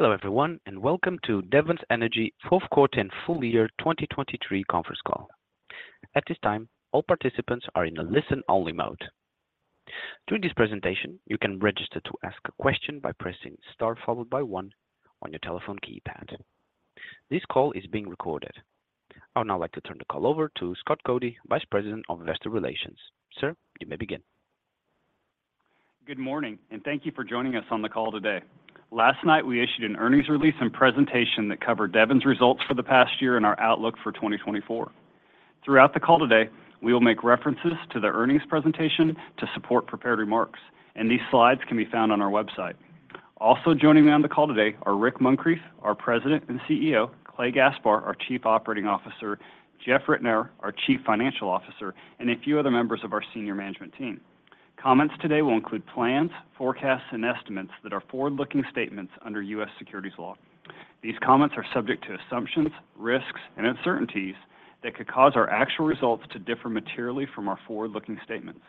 Hello, everyone, and welcome to Devon Energy's Fourth Quarter and Full Year 2023 Conference Call. This time, all participants are in a listen-only mode. During this presentation, you can register to ask a question by pressing star followed by one on your telephone keypad. This call is being recorded. I would now like to turn the call over to Scott Coody, Vice President of Investor Relations. Sir, you may begin. Good morning and thank you for joining us on the call today. Last night we issued an earnings release and presentation that covered Devon's results for the past year and our outlook for 2024. Throughout the call today, we will make references to the earnings presentation to support prepared remarks and these slides can be found on our website. Also joining me on the call today are Rick Muncrief, our President and CEO, Clay Gaspar, our Chief Operating Officer, Jeff Ritenour, our Chief Financial Officer and a few other members of our senior management team. Comments today will include plans, forecasts and estimates that are forward looking statements under U.S. securities law. These comments are subject to assumptions, risks and uncertainties that could cause our actual results to differ materially from our forward looking statements.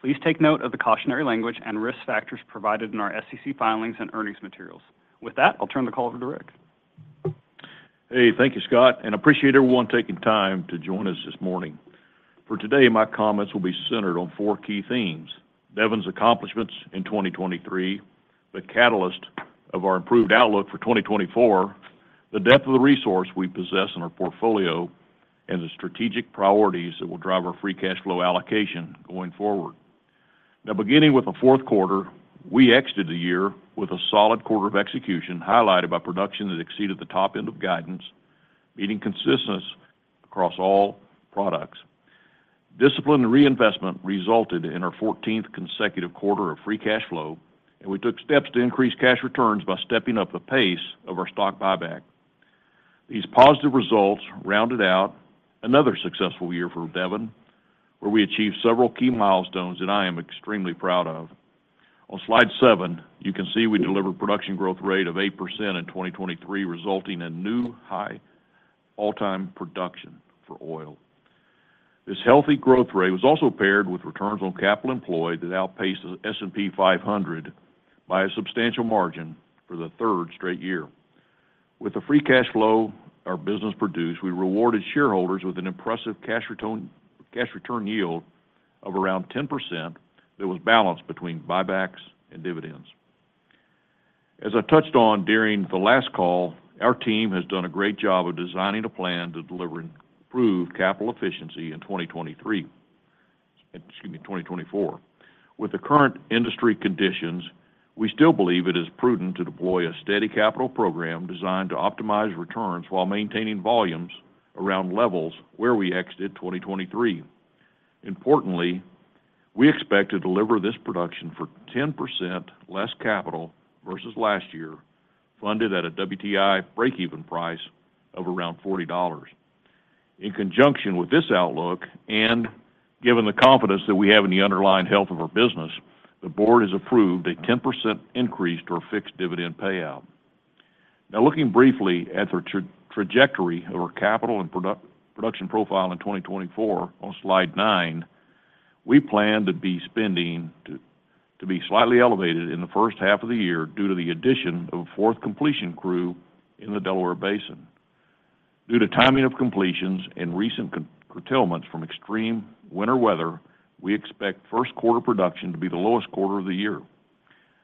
Please take note of the cautionary language and risk factors provided in our SEC Filings and earnings materials. With that, I'll turn the call over to Rick. Hey, thank you, Scott, and appreciate everyone taking time to join us this morning. For today, my comments will be centered on four key themes. Devon's accomplishments in 2023, the catalyst of our improved outlook for 2024, the depth of the resource we possess in our portfolio, and the strategic priorities that will drive our free cash flow allocation going forward. Now, beginning with the fourth quarter, we exited the year with a solid quarter of execution highlighted by production that exceeded the top end of guidance, meeting consistency across all products. Disciplined reinvestment resulted in our 14th consecutive quarter of free cash flow, and we took steps to increase cash returns by stepping up the pace of our stock buyback. These positive results rounded out another successful year for Devon where we achieved several key milestones that I am extremely proud of. On slide 7 you can see we delivered production growth rate of 8% in 2023, resulting in new high high all time production for oil. This healthy growth rate was also paired with returns on capital employed that outpaced the S&P 500 by a substantial margin for the third straight year. With the free cash flow our business produced, we rewarded shareholders with an impressive cash return yield of around 10% that was balanced between buybacks and dividends. As I touched on during the last call, our team has done a great job of designing a plan to deliver improved capital efficiency in 2023. Excuse me, 2024. With the current industry conditions, we still believe it is prudent to deploy a steady capital program designed to optimize returns while maintaining volumes around levels where we exited 2023. Importantly, we expect to deliver this production for 10% less capital versus last year funded at a WTI breakeven price of around $40. In conjunction with this outlook and given the confidence that we have in the underlying health of our business, the Board has approved a 10% increase to our fixed dividend payout. Now looking briefly at the trajectory of our capital and production profile in 2024 on slide 9, we plan to be spending, to be slightly elevated in the first half of the year due to the addition of fourth completion crew in the Delaware Basin. Due to timing of completions and recent curtailments from extreme winter weather, we expect first quarter production to be the lowest quarter of the year.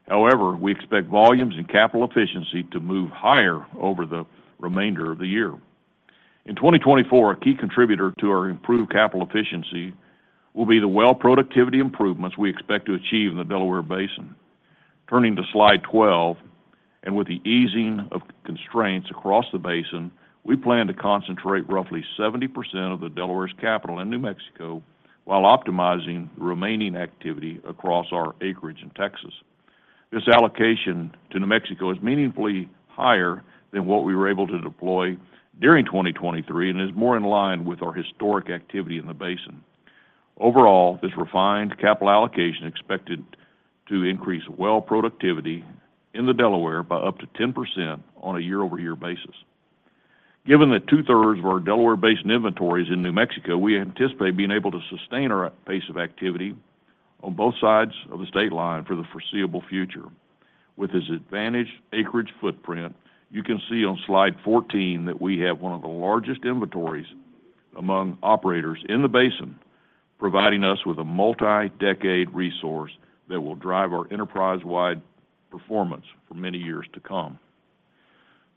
However, we expect volumes and capital efficiency to move higher over the remainder of the year in 2024. A key contributor to our improved capital efficiency will be the well productivity improvements we expect to achieve in the Delaware Basin. Turning to slide 12 and with the easing of constraints across the basin, we plan to concentrate roughly 70% of the Delaware's capital in New Mexico while optimizing remaining activity across our acreage in Texas. This allocation to New Mexico is meaningfully higher than what we were able to deploy during 2023 and is more in line with our historic activity in the basin. Overall, this refined capital allocation expected to increase well productivity in the Delaware by up to 10% on a year-over-year basis. Given that two-thirds of our Delaware Basin inventories in New Mexico, we anticipate being able to sustain our pace of activity on both sides of the state line for the foreseeable future. With its advantaged acreage footprint, you can see on slide 14 that we have one of the largest inventories among operators in the Basin, providing us with a multi-decade resource that will drive our enterprise-wide performance for many years to come.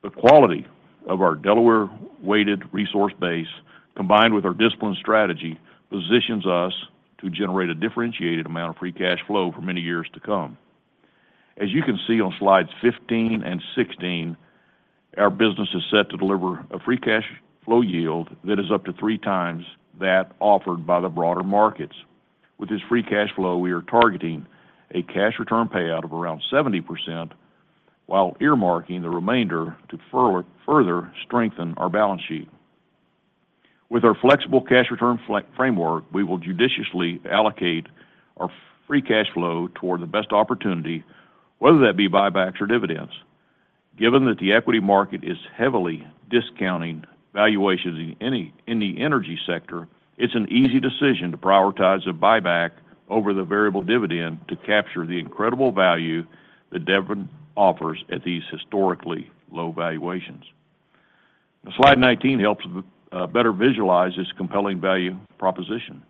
The quality of our Delaware-weighted resource base combined with our disciplined strategy positions us to generate a differentiated amount of free cash flow for many years to come. As you can see on slides 15 and 16, our business is set to deliver a free cash flow yield that is up to three times that offered by the broader markets. With this free cash flow we are targeting a cash return payout of around 70% while earmarking the remainder to further strengthen our balance sheet. With our flexible cash return framework, we will judiciously allocate our free cash flow toward the best opportunity, whether that be buybacks or dividends. Given that the equity market is heavily discounting valuations in the energy sector, it's an easy decision to prioritize a buyback over the variable dividend to capture the incredible value that Devon offers at these historically low valuations. Slide 19 helps better visualize this compelling value proposition.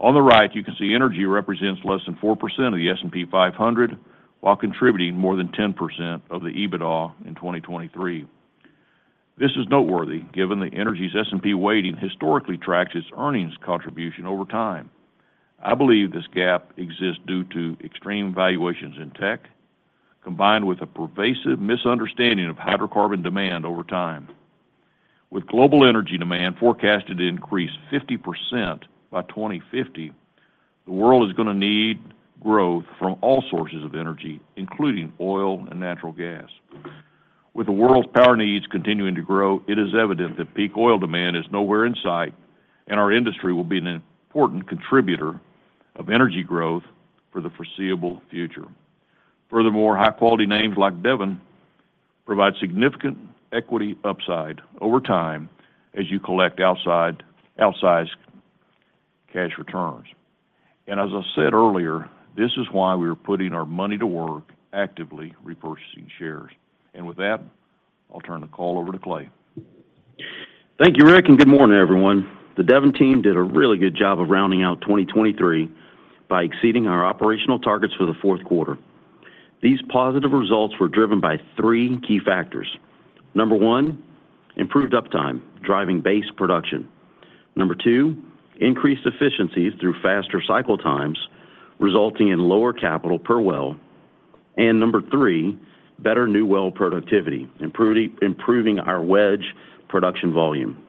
On the right you can see energy represents less than 4% of the S&P 500 while contributing more than 10% of the EBITDA in 2023. This is noteworthy given the energy's S&P weighting historically tracks its earnings contribution over time. I believe this gap exists due to extreme valuations in tech combined with a pervasive misunderstanding of hydrocarbon demand over time. With global energy demand forecasted to increase 50% by 2050, the world is going to need growth from all sources of energy, including oil and natural gas. With the world's power needs continuing to grow, it is evident that peak oil demand is nowhere in sight and our industry will be an important contributor to energy growth for the foreseeable future. Furthermore, high quality names like Devon provide significant equity upside over time as you collect outsized cash returns. And as I said earlier, this is why we are putting our money to work actively repurchasing shares. And with that, I'll turn the call over to Clay. Thank you Rick and good morning everyone. The Devon team did a really good job of rounding out 2023 by exceeding our operational targets for the fourth quarter. These positive results were driven by three key factors. Number one improved uptime driving base production, number two increased efficiencies through faster cycle times resulting in lower capital per well and number three better new well productivity improving our wedge production volume.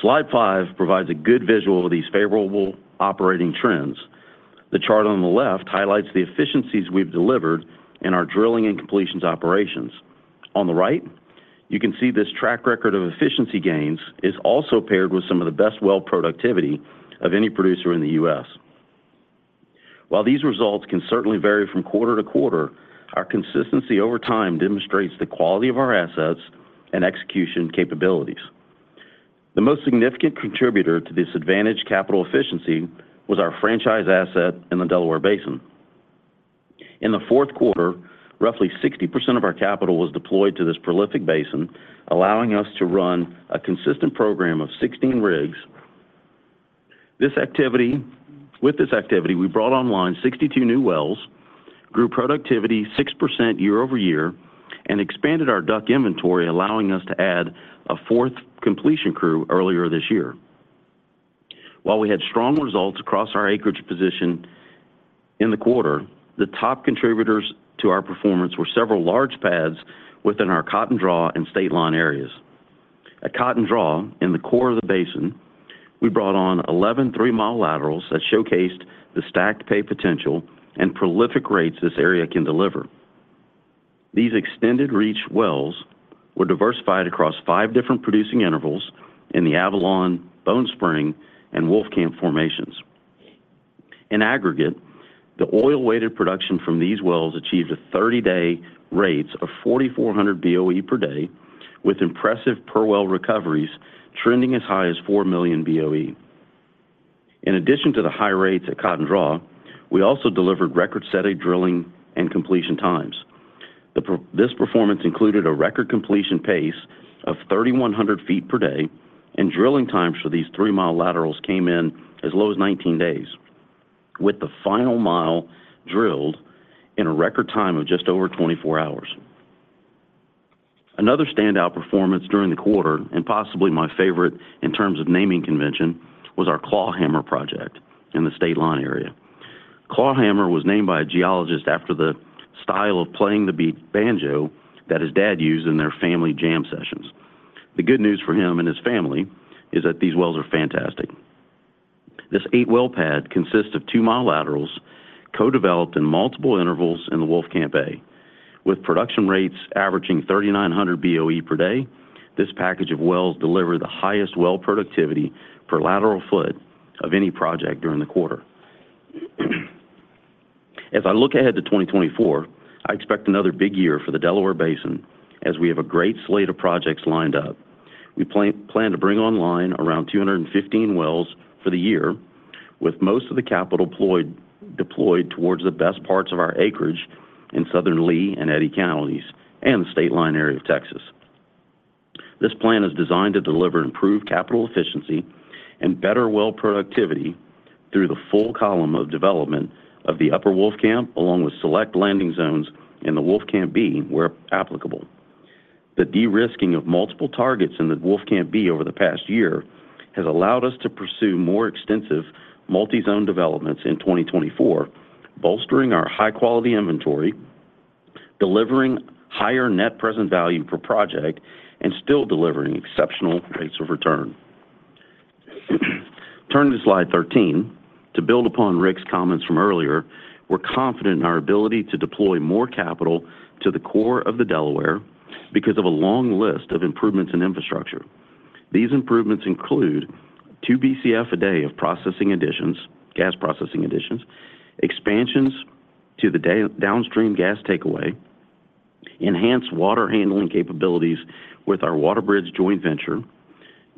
Slide five provides a good visual of these favorable operating trends. The chart on the left highlights the efficiencies we've delivered in our drilling and completions operations. On the right you can see this track record of efficiency gains is also paired with some of the best well productivity of any producer in the U.S. while these results can certainly vary from quarter to quarter, our consistency over time demonstrates the quality of our assets execution capabilities. The most significant contributor to this advantage, capital efficiency, was our franchise asset in the Delaware Basin. In the fourth quarter, roughly 60% of our capital was deployed to this prolific basin, allowing us to run a consistent program of 16 rigs. With this activity, we brought online 62 new wells, grew productivity 6% year-over-year, and expanded our DUC inventory, allowing us to add a fourth completion crew earlier this year. While we had strong results across our acreage position in the quarter, the top contributors to our performance were several large pads within our Draw and State Line areasCotton. At Cotton Draw in the core of the basin, we brought on 11 3mi laterals that showcased the stacked pay potential and prolific rates this area can deliver. These extended reach wells were diversified across five different producing intervals in the Avalon, Bone Spring and Wolfcamp formations. In aggregate, the oil weighted production from these wells achieved a 30-day rates of 4,400 BOE per day with impressive per well recoveries trending as high as 4 million BOE. In addition to the high rates at Cotton Draw, we also delivered record-setting drilling and completion times. This performance included a record completion pace of 3,100 ft per day and drilling times for these 3mi laterals came in as low as 19 days with the final mile drilled in a record time of just over 24 hours. Another standout performance during the quarter, and possibly my favorite in terms of naming convention, was our Claw Hammer project in the State Line area. Claw Hammer was named by a geologist after the style of playing the beat banjo that his dad used in their family jam sessions. The good news for him and his family is that these wells are fantastic. This eight-well pad consists of 2mi laterals co-developed in multiple intervals in the Wolfcamp A. With production rates averaging 3,900 BOE per day, this package of wells delivered the highest well productivity per lateral foot of any project during the quarter. As I look ahead to 2024, I expect another big year for the Delaware Basin as we have a great slate of projects lined up. We plan to bring online around 215 wells for the year with most of the capital deployed towards the best parts of our acreage in southern Lea and Eddy Counties and the State Line area of Texas. This plan is designed to deliver improved capital efficiency and better well productivity through the full column of development of the Upper Wolfcamp along with select landing zones in the Wolfcamp B where applicable. The de-risking of multiple targets in the Wolfcamp B over the past year has allowed us to pursue more extensive multi-zone developments in 2024, bolstering our high-quality inventory, delivering higher net present value per project and still delivering exceptional rates of return. Turning to slide 13 to build upon Rick's comments from earlier, we're confident in our ability to deploy more capital to the core of the Delaware because of a long list of improvements in infrastructure. These improvements include 2 BCF a day of processing additions, gas processing additions, expansions to the downstream gas takeaway, enhanced water handling capabilities with our WaterBridge joint venture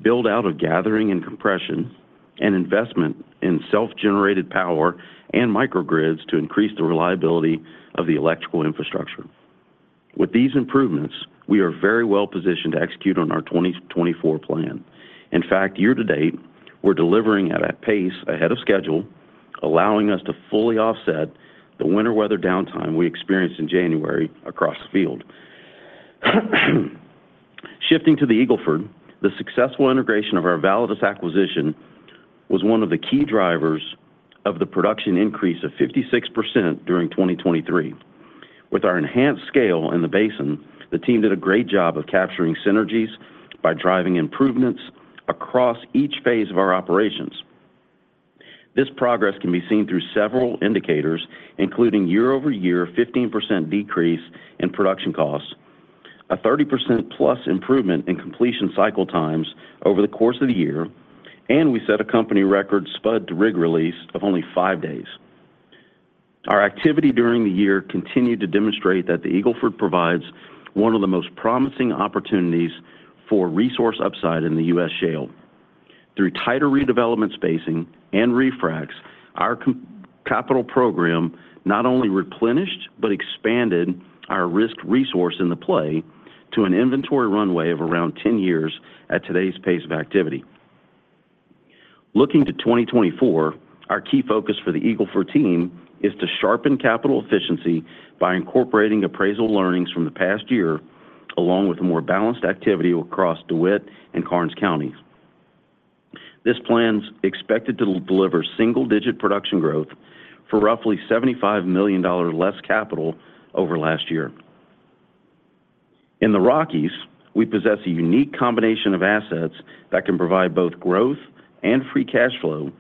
build out of gathering and compression, and investment in self generated power and micro grids to increase the reliability of the electrical infrastructure. With these improvements we are very well positioned to execute on our 2024 plan. In fact, year to date we're delivering at a pace ahead of schedule, allowing us to fully offset the winter weather downtime we experienced in January across the field. Shifting to the Eagle Ford, the successful integration of our Validus acquisition was one of the key drivers of the production increase of 56% during 2023. With our enhanced scale in the basin, the team did a great job of capturing synergies by driving improvements across each phase of our operations. This progress can be seen through several indicators including year-over-year 15% decrease in production costs, a 30%+ improvement in completion cycle times over the course of the year, and we set a company record spud to rig release of only five days. Our activity during the year continued to demonstrate that the Eagle Ford provides one of the most promising opportunities for resource upside in the U.S. Shale through tighter redevelopment, spacing and refracs. Our capital program not only replenished but expanded our risked resource in the play to an inventory runway of around 10 years at today's pace of activity. Looking to 2024, our key focus for the Eagle Ford team is to sharpen capital efficiency by incorporating appraisal learnings from the past year along with a more balanced activity across DeWitt and Karnes counties. This plan is expected to deliver single-digit production growth for roughly $75 million less capital over last year in the Rockies. We possess a unique combination of assets that can provide both growth and free cash flow.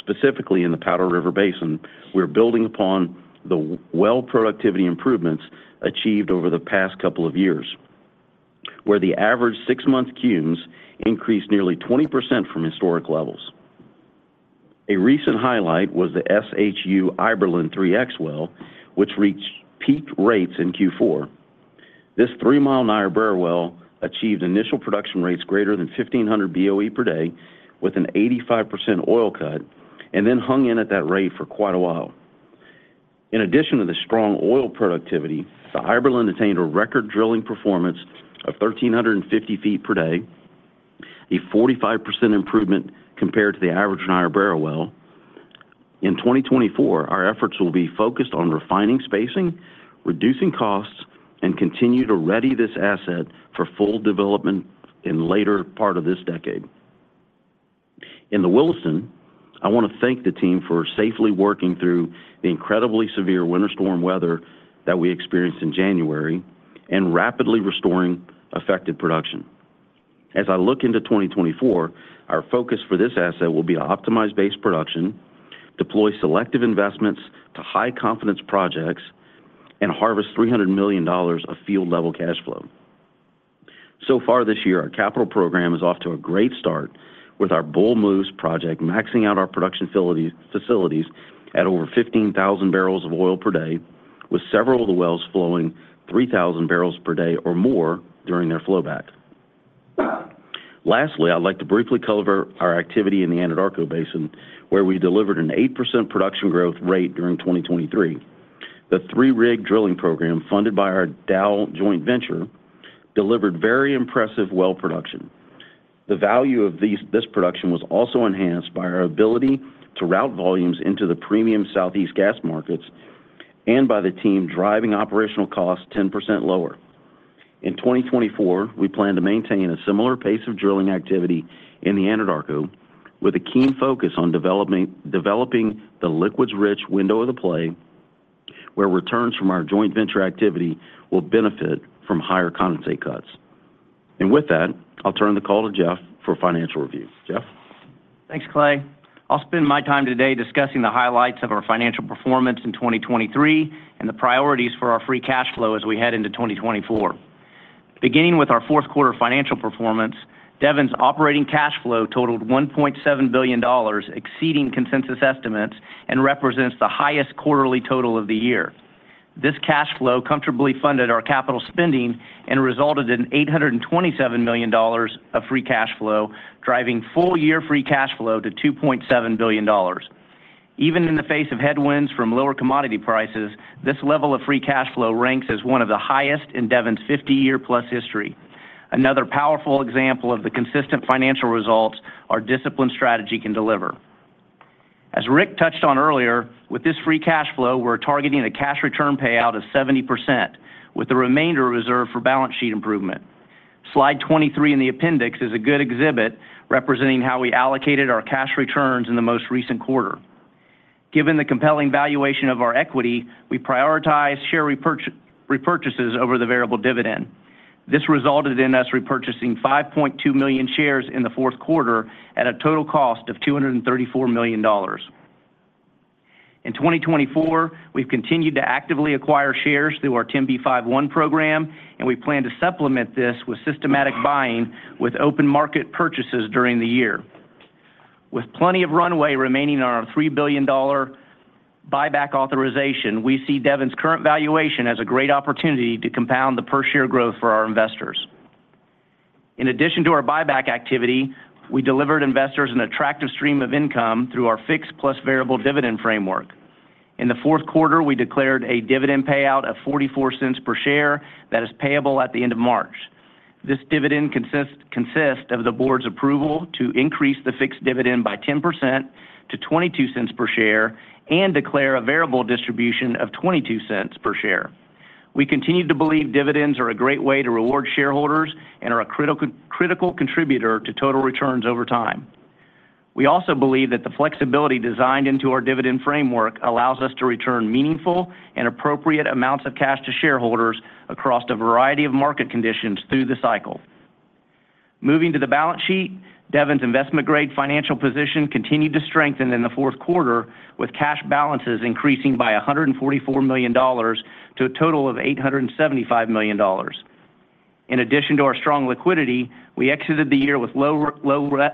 Specifically in the Powder River Basin, we're building upon the well productivity improvements achieved over the past couple of years where the average six-month cums increased nearly 20% from historic levels. A recent highlight was the Shu Iberlin 3x well which reached peaked rates in Q4. This 3mi Niobrara well achieved initial production rates greater than 1,500 BOE per day with an 85% oil cut and then hung in at that rate. For quite a while. In addition to the strong oil productivity, the Iberlin attained a record drilling performance of 1,350 ft per day, a 45% improvement compared to the average Niobrara well in 2024. Our efforts will be focused on refining, spacing, reducing costs and continue to ready this asset for full development in later part of this decade in the Williston. I want to thank the team for safely working through the incredibly severe winter storm weather that we experienced in January and rapidly restoring affected production. As I look into 2024, our focus for this asset will be optimized base production, deploy selective investments to high confidence projects and harvest $300 million of field level cash flow so far this year. Our capital program is off to a great start with our Bull Moose project maxing out our production facilities at over 15,000 barrels of oil per day, with several of the wells flowing 3,000 barrels per day or more during their flowback. Lastly, I'd like to briefly cover our activity in the Anadarko Basin where we delivered an 8% production. 2023 the 3-rig drilling program funded by our Dow joint venture delivered very impressive well production. The value of this production was also enhanced by our ability to route volumes into the premium southeast gas markets and by the team driving operational costs 10% lower in 2024. We plan to maintain a similar pace of drilling activity in the Anadarko with a keen focus on developing the liquids rich window of the play where returns from our joint venture activity will benefit from higher condensate cuts. With that, I'll turn the call to Jeff for financial review. Jeff. Thanks, Clay. I'll spend my time today discussing the highlights of our financial performance in 2023 and the priorities for our free cash flow as we head into 2024. Beginning with our fourth quarter financial performance, Devon's operating cash flow totaled $1.7 billion, exceeding consensus estimates and represents the highest quarterly total of the year. This cash flow comfortably funded our capital spending and resulted in $827 million of free cash flow, driving full year free cash flow to $2.7 billion. Even in the face of headwinds from lower commodity prices, this level of free cash flow ranks as one of the highest in Devon's 50-year-plus history, another powerful example of the consistent financial results our disciplined strategy can deliver. As Rick touched on earlier, with this. Free cash flow, we're targeting a cash return payout of 70% with the remainder reserved for balance sheet improvement. Slide 23 in the appendix is a good exhibit representing how we allocated our cash returns in the most recent quarter. Given the compelling valuation of our equity, we prioritize share repurchase repurchases over the variable dividend. This resulted in us repurchasing 5.2 million shares in the fourth quarter at a total cost of $234 million. In 2024, we've continued to actively acquire shares through our 10b5-1 program and we plan to supplement this with systematic buying with open market purchases during the year. With plenty of runway remaining on our $3 billion buyback authorization, we see Devon's current valuation as a great opportunity to compound the per share growth for our investors. In addition to our buyback activity, we delivered investors an attractive stream of income through our fixed plus variable dividend framework. In the fourth quarter, we declared a dividend payout of $0.44 per share that is payable at the end of March. This dividend consists of the Board's approval to increase the fixed dividend by 10% to $0.22 per share and declare a variable distribution of $0.22 per share. We continue to believe dividends are a great way to reward shareholders and are a critical contributor to total returns over time. We also believe that the flexibility designed into our dividend framework allows us to return meaningful and appropriate amounts of cash to shareholders across a variety of market. Conditions through the cycle. Moving to the Balance Sheet, Devon's investment grade financial position continued to strengthen in the fourth quarter with cash balances increasing by $144 million to a total of $875 million. In addition to our strong liquidity, we exited the year with low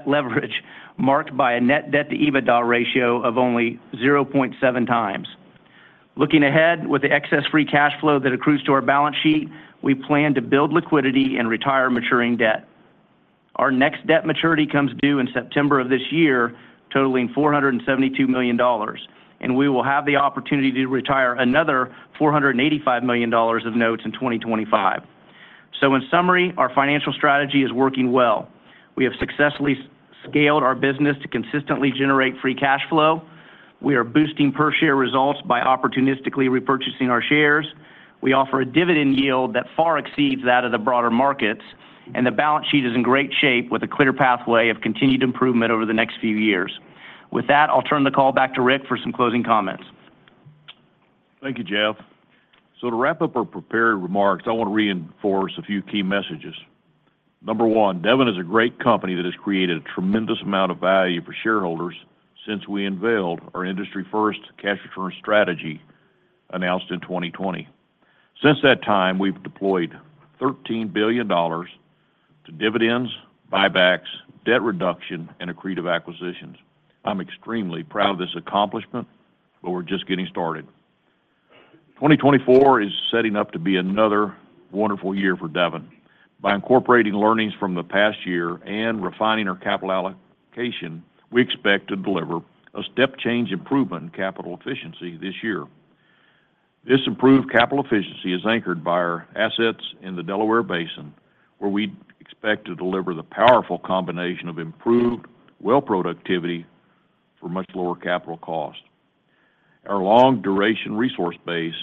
leverage marked by a net debt to EBITDA ratio of only 0.7 times. Looking ahead with the excess free cash flow that accrues to our balance sheet, we plan to build liquidity and retire maturing debt. Our next debt maturity comes due in September of this year, totaling $472 million, and we will have the opportunity to retire another $485 million of notes in 2025. So in summary, our financial strategy is working well. We have successfully scaled our business to consistently generate free cash flow. We are boosting per share results by opportunistically repurchasing our shares. We offer a dividend yield that far exceeds that of the broader markets and the balance sheet is in great shape with a clear pathway of continued improvement over the next few years. With that, I'll turn the call back to Rick for some closing comments. Thank you, Jeff. So to wrap up our prepared remarks, I want to reinforce a few key messages. Number one, Devon is a great company that has created a tremendous amount of value for shareholders since we unveiled our industry first cash return strategy announced in 2020. Since that time, we've deployed $13 billion to dividends, buybacks, debt reduction and accretive acquisitions. I'm extremely proud of this accomplishment, but we're just getting started. 2024 is setting up to be another wonderful year for Devon. By incorporating learnings from the past year and refining our capital allocation, we expect to deliver a step change improvement in capital efficiency this year. This improved capital efficiency is anchored by our assets in the Delaware Basin where we expect to deliver the powerful combination of improved well productivity for much lower capital cost. Our long duration resource base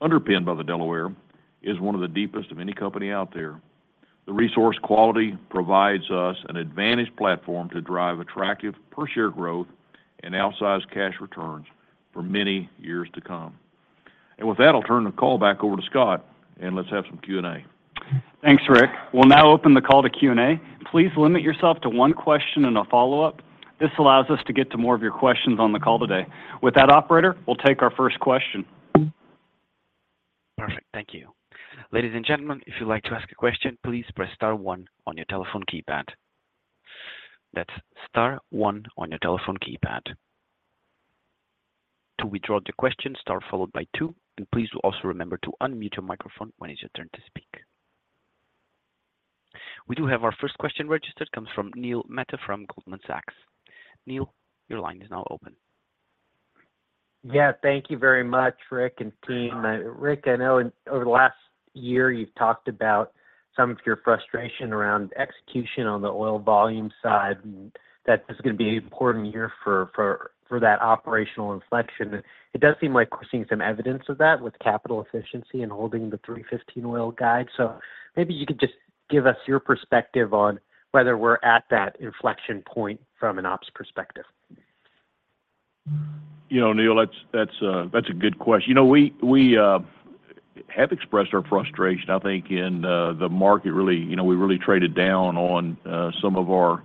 underpinned by the Delaware is one of the deepest of any company out there. The resource quality provides us an advantaged platform to drive attractive per share growth and outsized cash returns for many years to come. With that, I'll turn the call back over to Scott and let's have some Q&A. Thanks, Rick. We'll now open the call to Q&A. Please limit yourself to one question and a follow up. This allows us to get to more of your questions on the call today, with that, operator. We'll take our first question. Perfect. Thank you. Ladies and gentlemen, if you'd like to ask a question, please press star one, your telephone keypad. That's star one on your telephone keypad to withdraw the question star followed by two. And please also remember to unmute your microphone when it's your turn to speak. We do have our first question registered. Comes from Neil Mehta from Goldman Sachs. Neil, your line is now open. Yeah, thank you very much, Rick and team Rick. I know over the last year you've talked about some of your frustration around execution on the oil volume side. That is going to be an important year for that operational inflection. It does seem like we're seeing some evidence of that with capital efficiency and holding the 315 oil guide. So maybe you could just give us your perspective on whether we're at that inflection point from an ops perspective. You know, Neil, that's a good question. We have expressed our frustration, I think in the market really, you know, we really traded down on some of our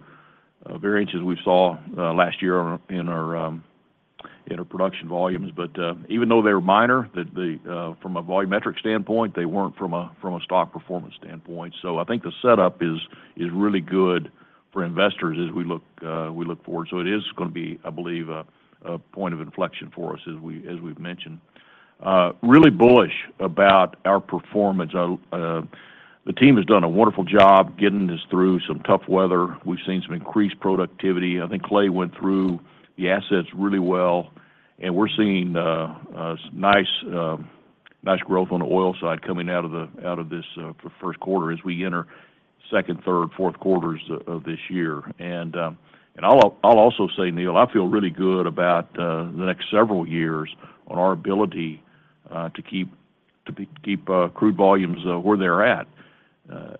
variances we saw last year in our interproduction volumes. But even though they were minor that the from a volumetric standpoint, they weren't from a, from a stock performance standpoint. So I think the setup is, is really good for investors as we look, we look forward. So it is going to be, I believe, point of inflection for us as we, as we've mentioned, really bullish about our performance. The team has done a wonderful job getting us through some tough weather. We've seen some increased productivity. I think Clay went through the assets really well and we're seeing nice, nice growth on the oil side coming out of the, out of this first quarter as we enter second, third, fourth quarters of this year. And, and I'll also say, Neil, I feel really good about the next several years on our ability to keep crude volumes where they're at.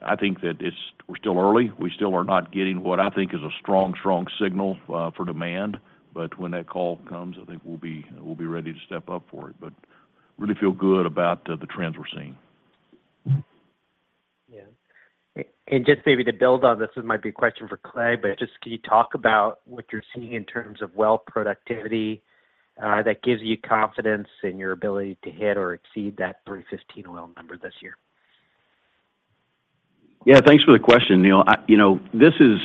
I think that we're still early, we still are not getting what I think is a strong, strong signal for demand. But when that call comes, I think we'll be ready to step up for it. But really feel good about the trends we're seeing. Yeah. And just maybe to build on this. It might be a question for Clay, but just can you talk about what you're seeing in terms of well productivity that gives you confidence in your ability to hit or exceed that 315 oil number this year? Yeah, thanks for the question, Neal. You know, this is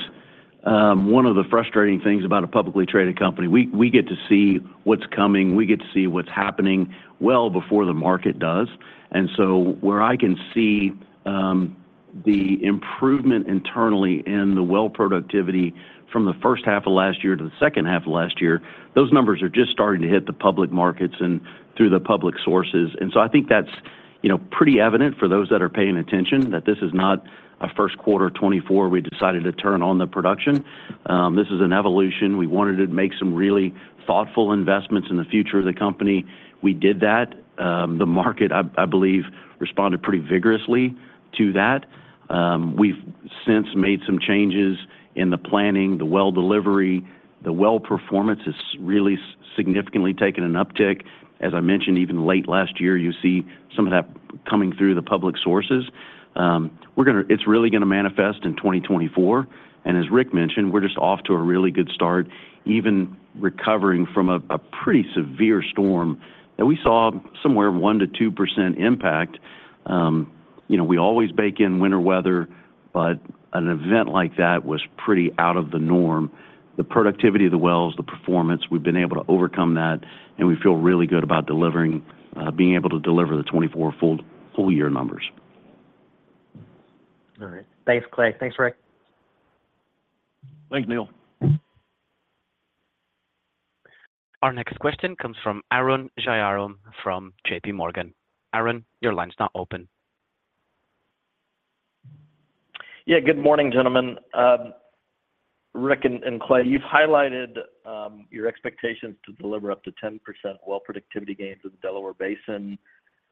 one of the frustrating things about a publicly traded company. We get to see what's coming. We get to see what's happening well before the market does. And so where I can see the improvement internally in the well productivity from the first half of last year to the second half of last year, those numbers are just starting to hit the public markets and through the public sources. And so I think that's, you know, pretty evident for those that are paying attention that this is not a first quarter 2024. We decided to turn on the production. This is an evolution. We wanted to make some really thoughtful investments in the future of the company. We did that. The market, I believe, responded pretty vigorously to that. We've since made some changes in the planning. The well delivery, the well performance has really significantly taken an uptick. As I mentioned, even late last year, you see some of that coming through the public sources. We're going to, it's really going to manifest in 2024. And as Rick mentioned, we're just off to a really good start. Even recovering from a pretty severe storm that we saw somewhere 1%-2% impact. You know, we always bake in winter weather, but an event like that was pretty out of the norm. The productivity of the wells, the performance, we've been able to overcome that and we feel really good about delivering, being able to deliver the 2024 full year numbers. All right, thanks, Clay. Thanks, Rick. Thanks, Neil. Our next question comes from Arun Jayaram from JPMorgan. Arun, your line's not open. Yeah. Good morning, gentlemen. Rick and Clay, you've highlighted your expectations. To deliver up to 10% well productivity. Gains in the Delaware Basin.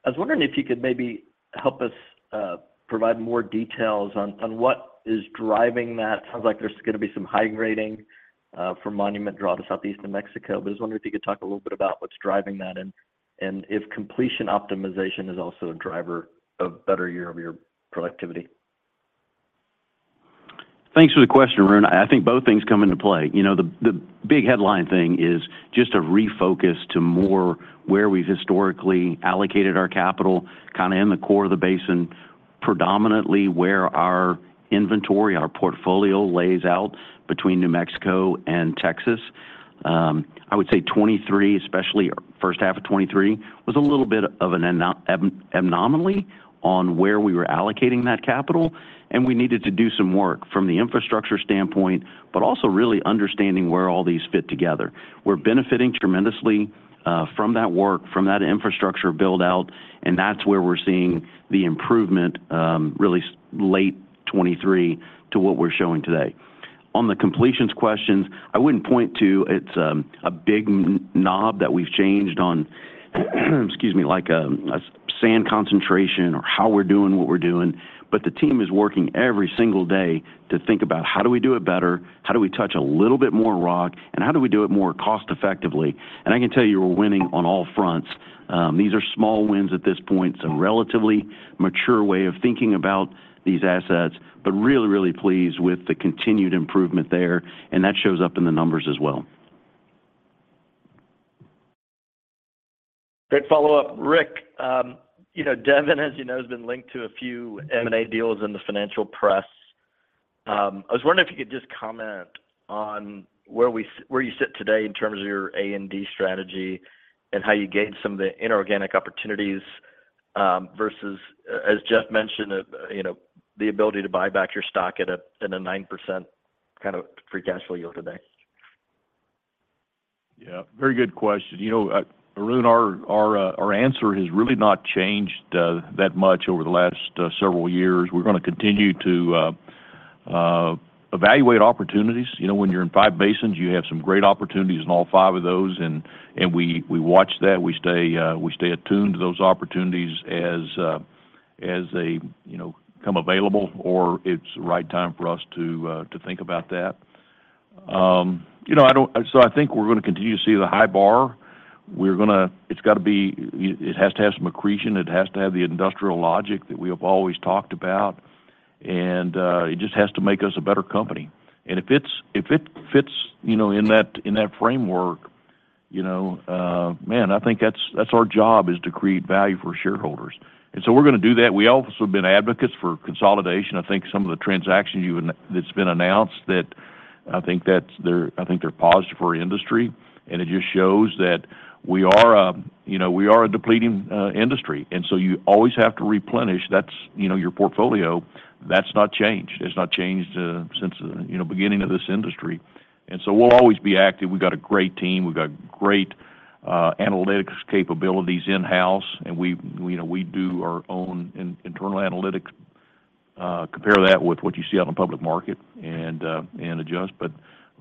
I was wondering if you could maybe. Help us provide more details on what is driving that. Sounds like there's going to be some. High grading for Monument Draw to southeast New Mexico. But I was wondering if you could. Talk a little bit about what's driving. That and if completion optimization is also. A driver of better year-over-year productivity. Thanks for the question, Arun. I think both things come into play. You know, the big headline thing is just a refocus to more where we've historically allocated our capital kind of in the core of the basin, predominantly where our inventory, our portfolio lays out between New Mexico and Texas. I would say 2023, especially first half of 2023 was a little bit of an anomaly on where we were allocating that capital. We needed to do some work from the infrastructure standpoint but also really understanding where all these fit together. We're benefiting tremendously from that work, from that infrastructure build out and that's where we're seeing the improvement really late 2023 to what we're showing today. On the completions questions I wouldn't point to. It's a big knob that we've changed on. Excuse me, like sand concentration or how we're doing what we're doing. But the team is working every single day to think about how do we do it better, how do we, how do we touch a little bit more rock and how do we do it more cost effectively. And I can tell you we're winning on all fronts. These are small wins at this point. Some relatively mature way of thinking about these assets. But really, really pleased with the continued improvement there. And that shows up in the numbers as well. Great follow up, Rick. You know, Devon, as you know, has. Been linked to a few M&A deals in the financial press. I was wondering if you could just. Comment on where you sit today in? Terms of your A&D strategy and how you gauge some of the inorganic opportunities versus, as Jeff mentioned, the ability to buy back your stock at a 9% kind of free cash flow yield today? Yeah, very good question. You know, Arun, our answer has really not changed that much over the last several years. We're going to continue to evaluate opportunities. You know, when you're in five basins, you have some great opportunities in all five of those. And we watch that we stay attuned to those opportunities as they come available or it's the right time for us to think about that, you know. So I think we're going to continue to see the high bar. We're going to. It's got to be. It has to have some accretion, it has to have the industrial logic that we have always talked about. And it just has to make us a better company. And if it fits, you know, in that framework, you know, man, I think that's, that's our job is to create value for shareholders and so we're going to do that. We also have been advocates for consolidation. I think some of the transactions that's been announced that I think they're positive for industry and it just shows that we are, you know, we are a depleting industry. And so you always have to replenish. That's, you know, your portfolio. That's not changed. It's not changed since, you know, beginning of this industry. And so we'll always be active. We've got a great team, we've got great analytics capabilities in house and we, you know, we do our own internal analytics. Compare that with what you see on the public market and adjust. But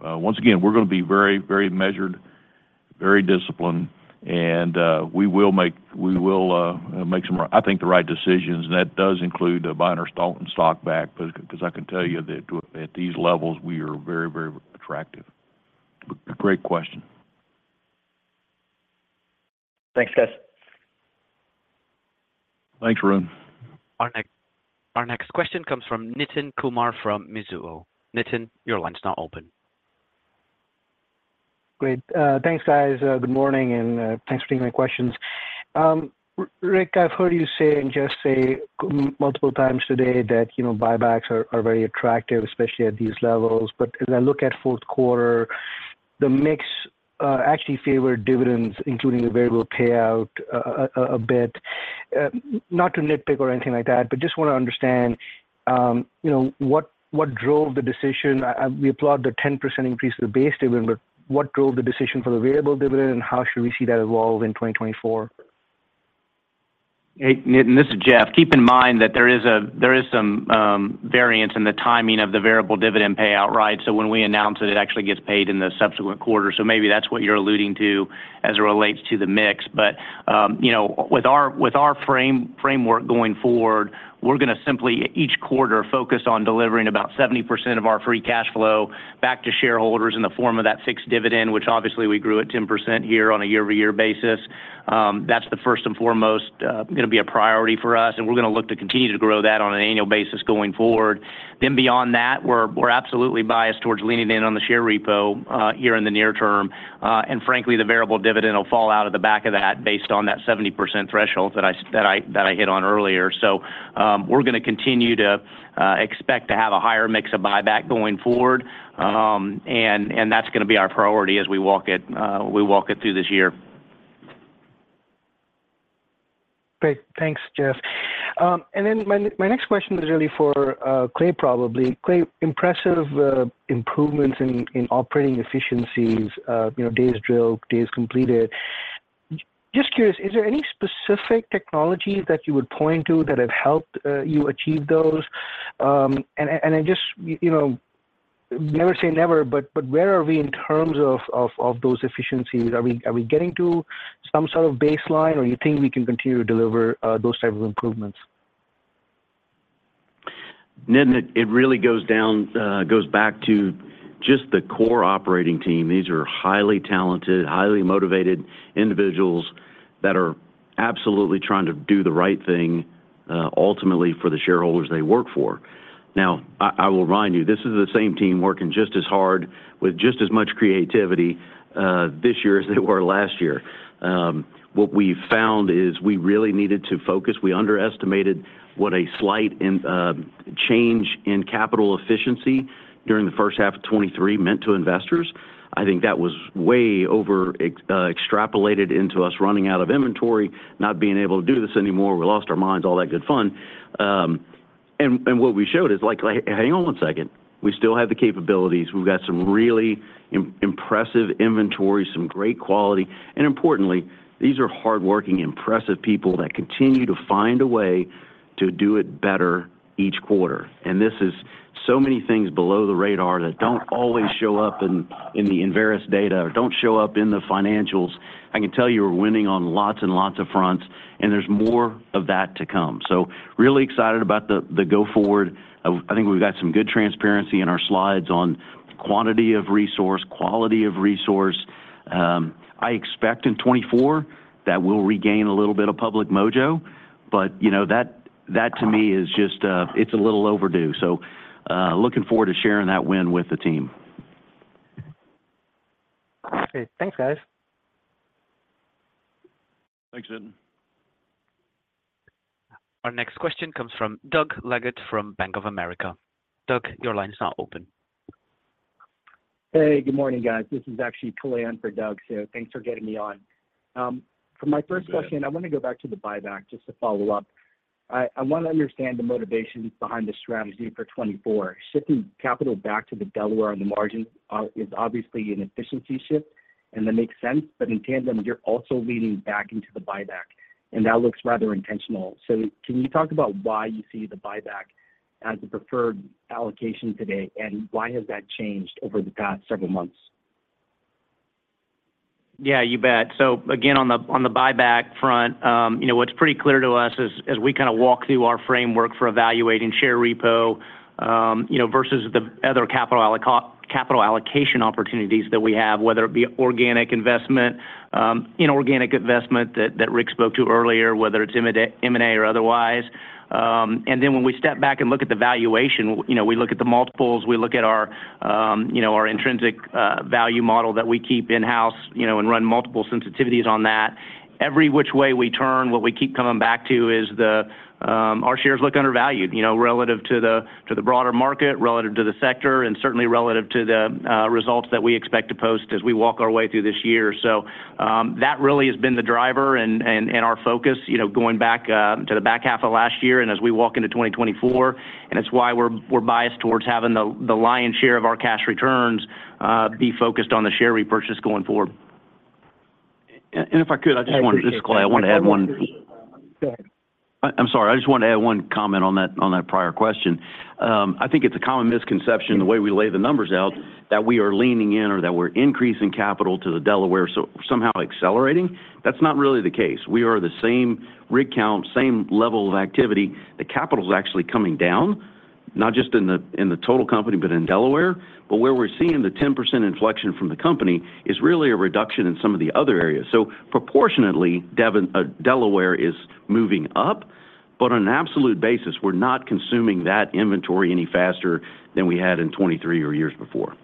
once again we're going to be very, very measured, very disciplined and we will make, we will make some, I think the right decisions and that does include buying back our stock because I can tell you that at these levels we are very, very attractive. Great question. Thanks guys. Thanks Arun. Our next question comes from Nitin Kumar from Mizuho. Nitin, your line's not open. Great, thanks guys. Good morning and thanks for taking my questions. Rick, I've heard you say and just say multiple times today that buybacks are very attractive, especially at these levels. But as I look at fourth quarter, the mix actually favored dividends, including the variable payout. A bit. Not to nitpick or anything like that, but just want to understand what drove the decision. We applaud the 10% increase, the base dividend, but what drove the decision for the variable dividend and how should we see that evolve in 2024? Hey Nitin, this is Jeff. Keep in mind that there is some variance in the timing of the variable dividend payout. Right. So when we announce it, it actually gets paid in the subsequent quarter. So maybe that's what you're alluding to as it relates to the mix. But you know, with our framework going forward, we're going to simply each quarter focus on delivering about 70% of our free cash flow back to shareholders in the form of that six-digit dividend which obviously we grew at 10% here on a year-over-year basis. That's the first and foremost going to be a priority for us and we're going to look to continue to grow that on an annual basis going forward. Then beyond that, we're absolutely biased towards leaning in on the share repo here in the near term. And frankly, the variable dividend will fall out of the back of that based on that 70% threshold that I hit on earlier. We're going to continue to expect to have a higher mix of buyback going forward and that's going to be our priority as we walk it through this year. Great. Thanks, Jeff. And then my next question is really for Clay, probably Clay. Impressive improvements in operating efficiencies. You know, days drilled, days completed. Just curious, is there any specific technology that you would point to that have helped you achieve those? And I just, you know, never say never. But where are we in terms of those efficiencies? Are we getting to some sort of baseline or you think we can continue to deliver those type of improvements? Nitin, it really goes back to just the core operating team. These are highly talented, highly motivated individuals that are absolutely trying to do the right thing ultimately for the shareholders they work for. Now, I will remind you, this is the same team working just as hard with just as much creativity this year as they were last year. What we found is we really needed to focus. We underestimated what a slight change in capital efficiency during 1H23 meant to investors. I think that was way over, extrapolated into us running out of inventory, not being able to do this anymore. We lost our minds. All that good fun. And what we showed is like, hang on one second, we still have the capabilities. We've got some really impressive inventory, some great quality. And importantly, these are hardworking, impressive people that continue to find a way to do it better each quarter. And this is so many things below the radar that don't always show up in the Enverus data or don't show up in the financials. I can tell you are winning on lots of and lots of fronts. And there's more of that to come. So, really excited about the go forward. I think we've got some good transparency in our slides on quantity of resource, quality of resource. I expect in 2024 that we'll regain a little bit of public mojo. But you know, that to me is just, it's a little overdue. So looking forward to sharing that win with the team. Thanks, guys. Thanks Nitin Next question comes from Doug Leggate from Bank of America. Doug, your line is not open. Hey, good morning, guys. This is actually Kalei for Doug. So thanks for getting me on. For my first question, I want to go back to the buyback. Just to follow up, I want to understand the motivations behind the strategy for 2024, shifting capital back to the Delaware on the margin is obviously an efficiency shift and that makes sense. But in tandem, you're also leaning back into the buyback and that looks rather intentional. So can you talk about why you see the buyback as a preferred allocation today and why has that changed over the past several months? Yeah, you bet. So again, on the buyback front, you know, what's pretty clear to us is as we kind of walk through our framework for evaluating share repo, you know, versus the other capital allocation opportunities that we have, whether it be organic investment, inorganic investment that Rick spoke to earlier, whether it's M&A or otherwise. And then when we step back and look at the valuation, you know, we look at the multiples, we look at our, you know, our intrinsic value model that we keep in house, you know, and run multiple sensitivities on that every which way we turn. What we keep coming back to is, our shares look undervalued, you know, relative to the broader market, relative to the sector, and certainly relative to the results that we expect to post as we walk our way through this year. So that really has been the driver and our focus, you know, going back to the back half of last year and as we walk into 2024. And it's why we're biased towards having the lion's share of our cash returns be focused on the share repurchase going forward. If I could, I just wanted. I want to add one. I'm sorry, I just want to add one comment on that, on that prior question. I think it's a common misconception, the way we lay the numbers out, that we are leaning in or that we're increasing capital to the Delaware so somehow accelerating? That's not really the case. We are the same rig count, same level of activity. The capital is actually coming down not just in the, in the total company, but in Delaware, but where we're seeing the 10% inflection from the company is, is really a reduction in some of the other areas. So proportionately, Delaware is moving up, but on an absolute basis, we're not consuming that inventory any faster than we had in 2023 or years before.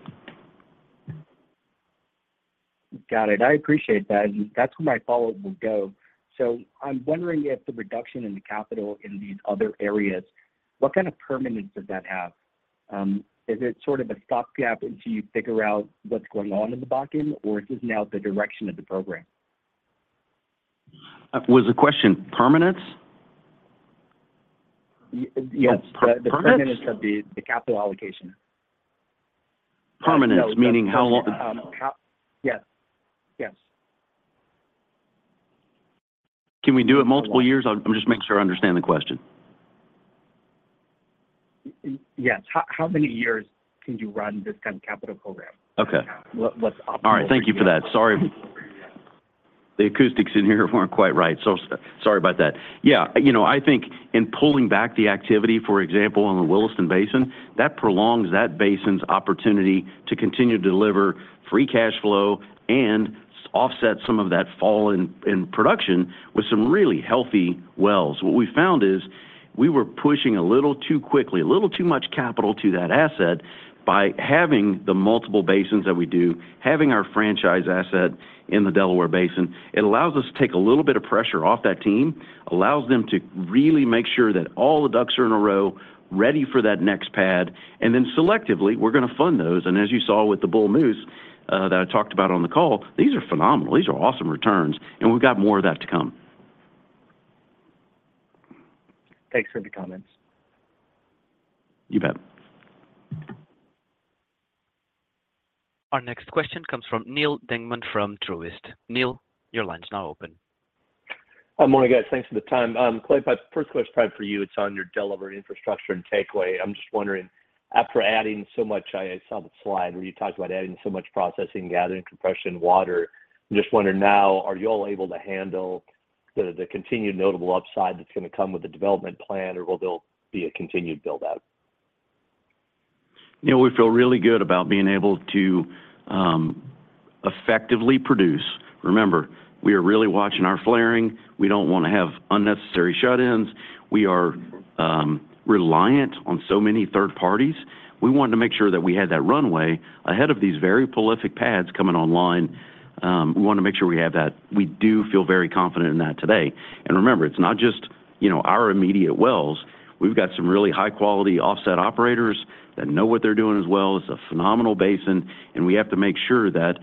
Got it. I appreciate that. That's where my follow up will go. So I'm wondering if the reduction in the capital in these other areas, what kind of permanence does that have? Is it sort of a stopgap until you figure out what's going on in the Bakken or is this now the direction of the program. Was the question. Permanence. Yes, the permanence of the capital allocation. Permanence meaning how long? Yes, yes. Can we do it multiple years? I'm just making sure I understand the question. Yes. How many years can you run this kind of capital program? Okay. All right. Thank you for that. Sorry, the acoustics in here weren't quite right. So sorry about that. Yeah, you know, I think in pulling back the activity, for example, on the Williston Basin, that prolongs that basin's opportunity to continue to deliver free cash flow and offset some of that fall in production with some really healthy wells, what we found is we were pushing a little too quickly, a little too much capital to that asset. By having the multiple basins that we do, having our franchise asset in the Delaware Basin, it allows us to take a little bit of pressure off that team, allows them to really make sure that all the ducks are in a row ready for that next pad. And then selectively we're going to fund those. As you saw with the Bull Moose that I talked about on the call, these are phenomenal. These are awesome returns. We've got more of that to come. Thanks for the comments. You bet. Our next question comes from Neal Dingmann from Truist. Neil, your line's now open. Morning, guys. Thanks for the time. Clay, my first question for you, it's on your Delaware infrastructure and takeaway. I'm just wondering, after adding so much, I saw that somewhere you talked about adding so much processing, gathering compression, water. Just wonder now, are you all able? To handle the continued notable upside that's going to come with the development plan. Or will there be a continued build out? We feel really good about being able to effectively produce. Remember, we are really watching our flaring. We don't want to have unnecessary shut-ins. We are reliant on so many third parties. We wanted to make sure that we had that runway ahead of these very prolific pads coming online. We want to make sure we have that. We do feel very confident in that today. And remember, it's not just, you know, our immediate wells. We've got some really high quality offset operators that know what they're doing as well. It's a phenomenal basin and we have to make sure that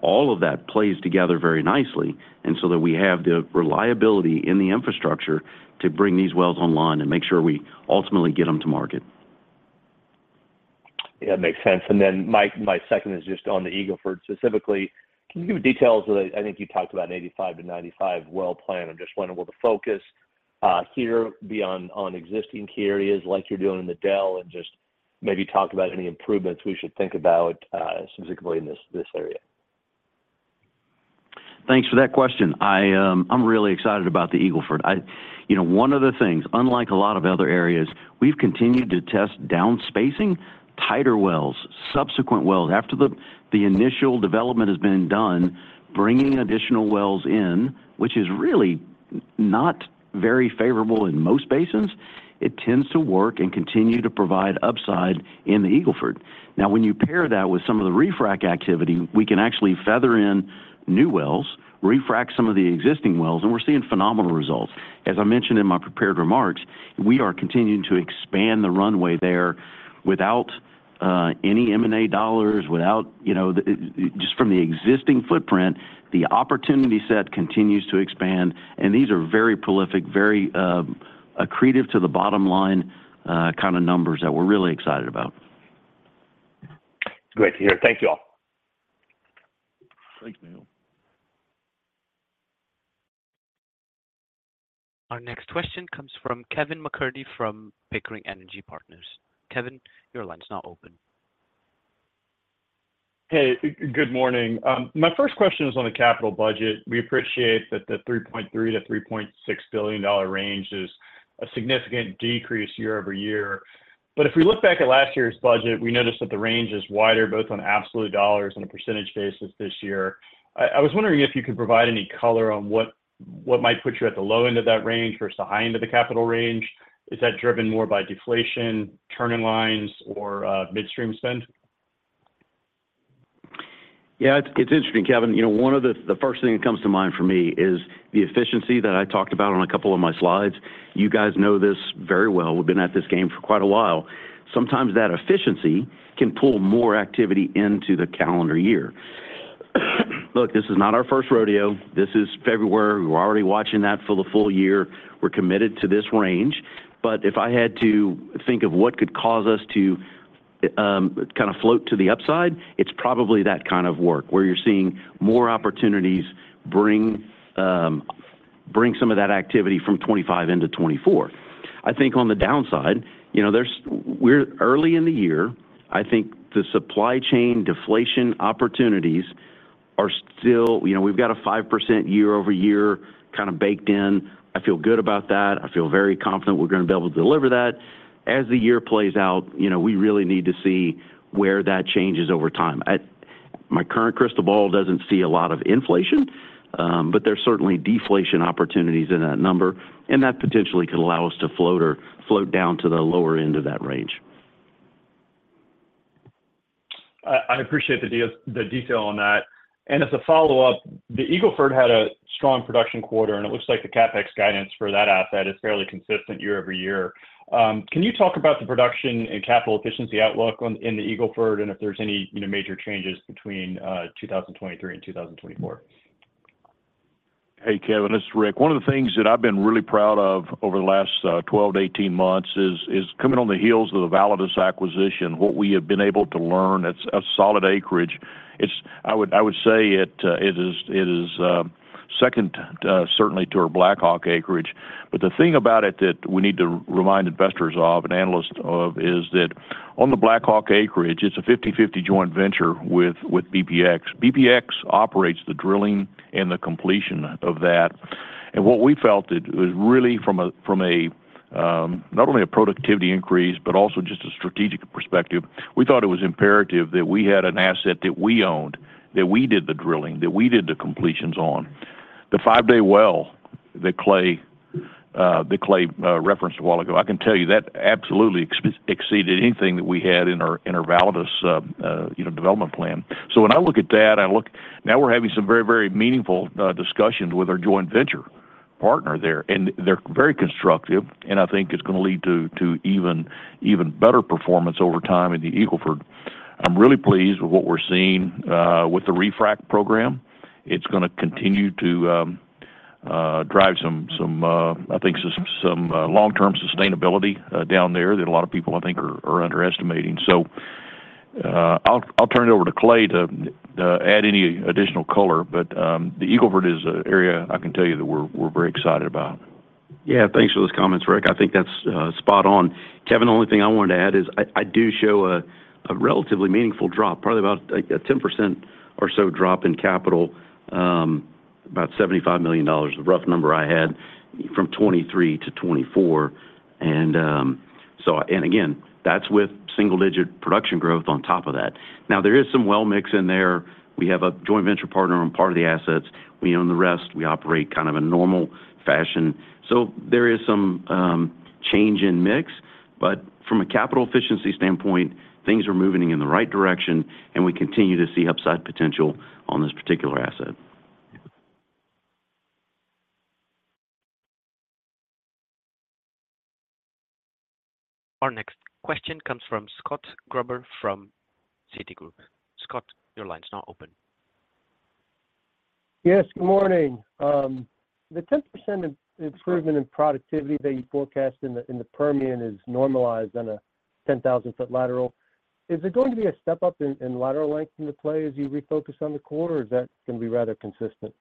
all of that plays together very nicely and so that we have the reliability in the infrastructure to bring these wells online and make sure we ultimately get them to market. That makes sense. My second is just on the Eagle Ford specifically. Can you give details? I think you talked about an 85-95 well plan. I'm just wondering, will the focus here beyond on existing key areas like you're doing in the Del and just maybe talk about any improvements we should think about specifically in this area. Thanks for that question. I'm really excited about the Eagle Ford. One of the things, unlike a lot of other areas, we've continued to test down spacing, tighter wells, subsequent wells after the initial development has been done, bringing additional wells in, which is really not very favorable in most basins. It tends to work and continue to provide upside in the Eagle Ford. Now when you pair that with some of the refrac activity, we can actually feather in new wells, refract some of the existing wells, and we're seeing phenomenal results. As I mentioned in my prepared remarks, we are continuing to expand the runway there without any M&A dollars, without, you know, just from the existing footprint. The opportunity set continues to expand and these are very prolific, very accretive to the bottom line kind of numbers that we're really excited about. Great to hear. Thank you all. Thank you. Our next question comes from Kevin McCurdy from Pickering Energy Partners. Kevin, your line is not open. Hey, good morning. My first question is on the capital budget. We appreciate that the $3.3 billion-$3.6 billion range is a significant decrease year-over-year. If we look back at last year's budget, we noticed that the range. Is wider both on absolute dollars and. A percentage basis this year. I was wondering if you could provide any color on what might put you at the low end of that range. Versus the high end of the capital range. Is that driven more by deflation, turn-in-line, or midstream spend? Yeah, it's interesting, Kevin. One of the first thing that comes to mind for me is the efficiency that I talked about on a couple of my slides. You guys know this very well. We've been at this game for quite a while. Sometimes that efficiency can pull more activity into the calendar year. Look, this is not our first rodeo. This is February. We're already watching that for the full year. We're committed to this range. But if I had to think of what could cause us to kind of float to the upside, it's probably that kind of work where you're seeing more opportunities bring some of that activity from 2025 into 2024. I think on the downside, you know, there's, we're early in the year. I think the supply chain deflation opportunities are still, you know, we've got a 5% year-over-year kind of baked in. I feel good about that. I feel very confident we're going to be able to deliver that as the year plays out. You know, we really need to see where that changes over time. My current crystal ball doesn't see a lot of inflation, but there's certainly deflation opportunities in that number and that potentially could allow us to float or float down to the lower end of that range. I appreciate the detail on that. As a follow-up, the Eagle. Ford had a strong production quarter and. It looks like the CapEx guidance for. That asset is fairly consistent year over year. Can you talk about the production and capital efficiency outlook in the Eagle Ford? And if there's any major changes between 2023 and 2024? Hey Kevin, this is Rick. One of the things that I've been really proud of over the last 12-18 months is coming on the heels of the Validus acquisition, what we have been able to learn. It's a solid acreage. I would say it is second certainly to our Blackhawk acreage. But the thing about it that we need to remind investors of and analysts of is that on the Blackhawk acreage it's a 50/50 joint venture with BPX. BPX operates the drilling and the completion of that. And what we felt was really from a not only a productivity increase but also just a strategic perspective. We thought it was imperative that we had an asset that we owned that we did the drilling that we did. The completions on the 5-day well that Clay referenced a while ago, I can tell you that absolutely exceeded anything that we had in our Validus development plan. So when I look at that, I look now we're having some very, very meaningful discussions with our joint venture partner there and they're very constructive and I think it's going to lead to even better performance over time in the Eagle Ford. I'm really pleased with what we're seeing with the Refrac program. It's going to continue to drive some, I think some long-term sustainability down there that a lot of people I think are underestimating. So I'll turn it over to Clay to add any additional color. But the Eagle Ford is an area I can tell you that we're very excited about. Yeah, thanks for those comments, Rick. I think that's spot on, Kevin. Only thing I wanted to add is I do show a relatively meaningful drop, probably about a 10% or so drop in capital, about $75 million, the rough number I had from 2023 to 2024 and so and again that's with single-digit production growth on top of that now, there is some well mix in there. We have a joint venture partner on part of the assets we own. The rest we operate kind of a normal fashion. So there is some change in mix. But from a capital efficiency standpoint, things are moving in the right direction and we continue to see upside potential on this particular asset. Our next question comes from Scott Gruber from Citigroup. Scott, your line's now open. Yes, good morning. The 10% improvement in productivity that you forecast in the Permian is normalized on a 10,000-ft lateral. Is it going to be a step up in lateral length in the play as you refocus on the core, or is that going to be rather consistent?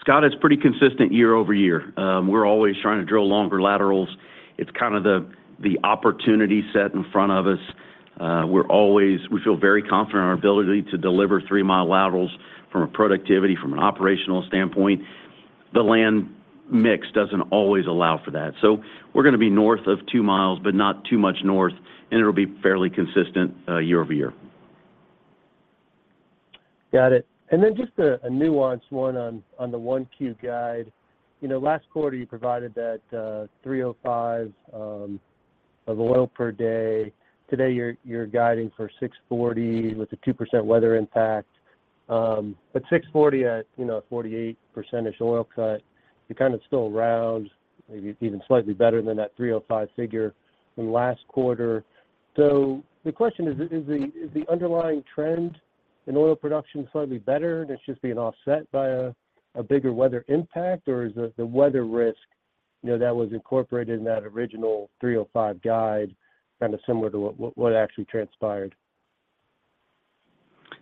Scott? It's pretty consistent year-over-year. We're always trying to drill longer laterals. It's kind of the opportunity set in front of us. We're always, we feel very confident. Our ability to deliver 3mi laterals from a productivity, from an operational standpoint, the land mix doesn't always allow for that. So we're going to be north of 2mi but not too much north. And it'll be pretty fairly consistent year-over-year. Got it. And then just a nuanced one on the Q1 guide, you know, last quarter you provided that 305 of oil per day. Today you're guiding for 640 with a 2% weather impact. But 640 at, you know, 48%ish oil cut, you're kind of still around maybe even slightly better than that 305 figure quarter. So the question is the underlying trend in oil production slightly better and it's just being offset by a bigger weather impact or is the weather risk that was incorporated in that original 305 guide kind of similar to what actually transpired?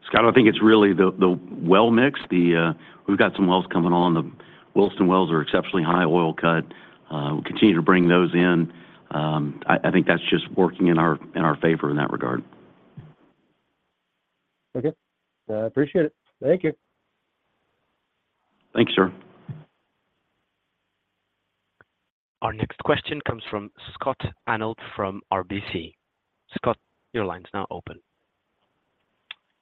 Scott, I think it's really the well mix. We've got some wells coming on. The Williston wells are exceptionally high oil cut. Continue to bring those in. I think that's just working in our, in our favor in that regard. Okay, I appreciate it. Thank you. Thanks, sir. Our next question comes from Scott Hanold from RBC. Scott, your line's now open.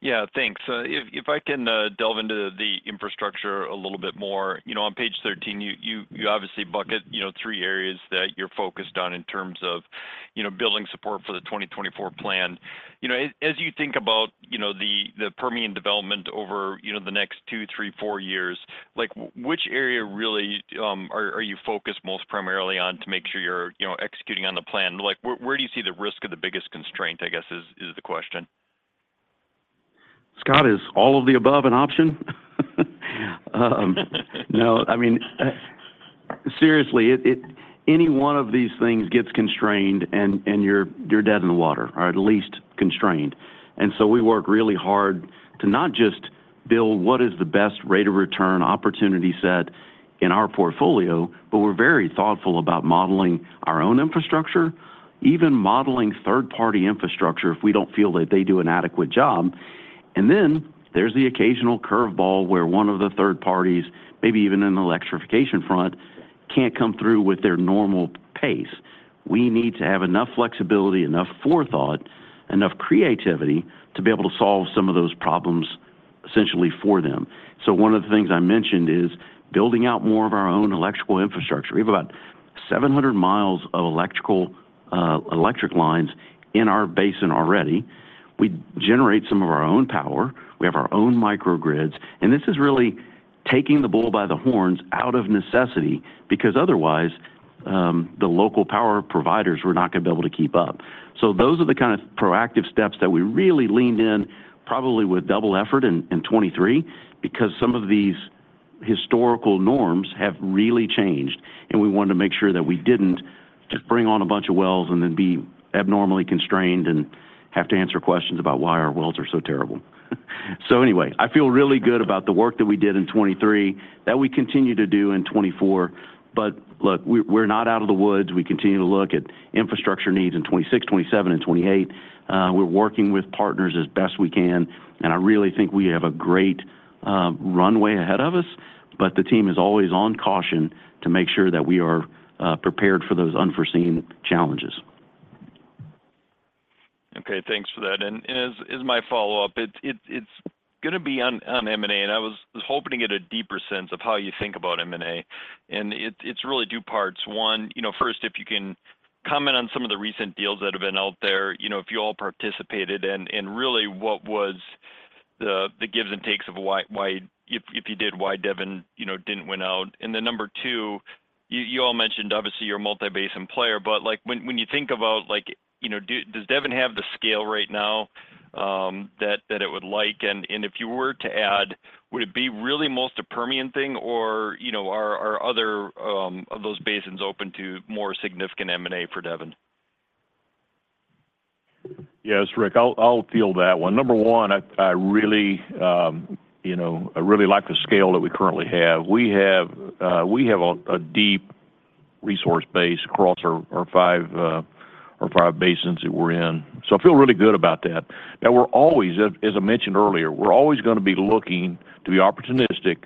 Yeah, thanks. If I can delve into the infrastructure a little bit more, you know, on page 13, you obviously bucket, you know, three areas that you're focused on in terms of, you know, building support for the 2024 plan, you know, as you think about, you know, the Permian development over you know, the next two, three, four years, like, which area really are you focused most primarily on to make sure you're you know, executing on the plan. Like, where do you see the risk of the biggest constraint, I guess is the question? Scott, is all of the above an option? No, I mean, seriously, any one of these things gets constrained and you're dead in the water, or at least constrained. And so we work really hard to not just build what is the best rate of return opportunity set in our portfolio. But we're very thoughtful about modeling our own infrastructure, even modeling third party infrastructure if we don't feel that they do an adequate job. And then there's the occasional curve ball where one of the third parties, maybe even an electrification front, can't come through with their normal pace. We need to have enough flexibility, enough forethought, enough creativity to be able to solve some of those problems essentially for them. So one of the things I mentioned is building out more of our own electrical infrastructure. We have about 700mi of electrical, electric lines in our basin already. We generate some of our own power, we have our own micro grids. And this is really taking the bull by the horns out of necessity because otherwise the local power providers were not going to be able to keep up. So those are the kind of proactive steps that we really leaned in, probably with double effort in 2023, because some of these historical norms have really changed and we wanted to make sure that we didn't just bring on a bunch of wells and then be abnormally constrained and have to answer questions about why our wells are so terrible. So anyway, I feel really good about. The work that we did in 2023 that we continue to do in 2024. But look, we're not out of the woods. We continue to look at infrastructure needs in 2026, 2027 and 2028. We're working with partners as best we can. And I really think we have a great runway ahead of us. But the team is always on caution to make sure that we are prepared for those unforeseen challenges. Okay, thanks for that. And as my follow up, it's going. To be on M&A. I was hoping to get a deeper sense of how you think about M&A. It's really two parts. One, you know, first, if you can. Comment on some of the recent deals. That have been out there, you know, if you all participated and really what was the gives and takes of why, if you did, why Devon, you know, didn't win out. And then number 2, you all mentioned, obviously you're a multi basin player, but like, when you think about like, you know, does Devon have the scale right now that it would like and if you were to add, would it be really most a Permian thing or you know, are other of those basins open to more significant M&A for Devon? Yes, Rick, I'll deal that one. Number 1, I really, you know, I really like the scale that we currently have. We have, we have a deep resource base across our 5 basins that we're in. So I feel really good about that now. We're always, as I mentioned earlier, we're always going to be looking to be opportunistic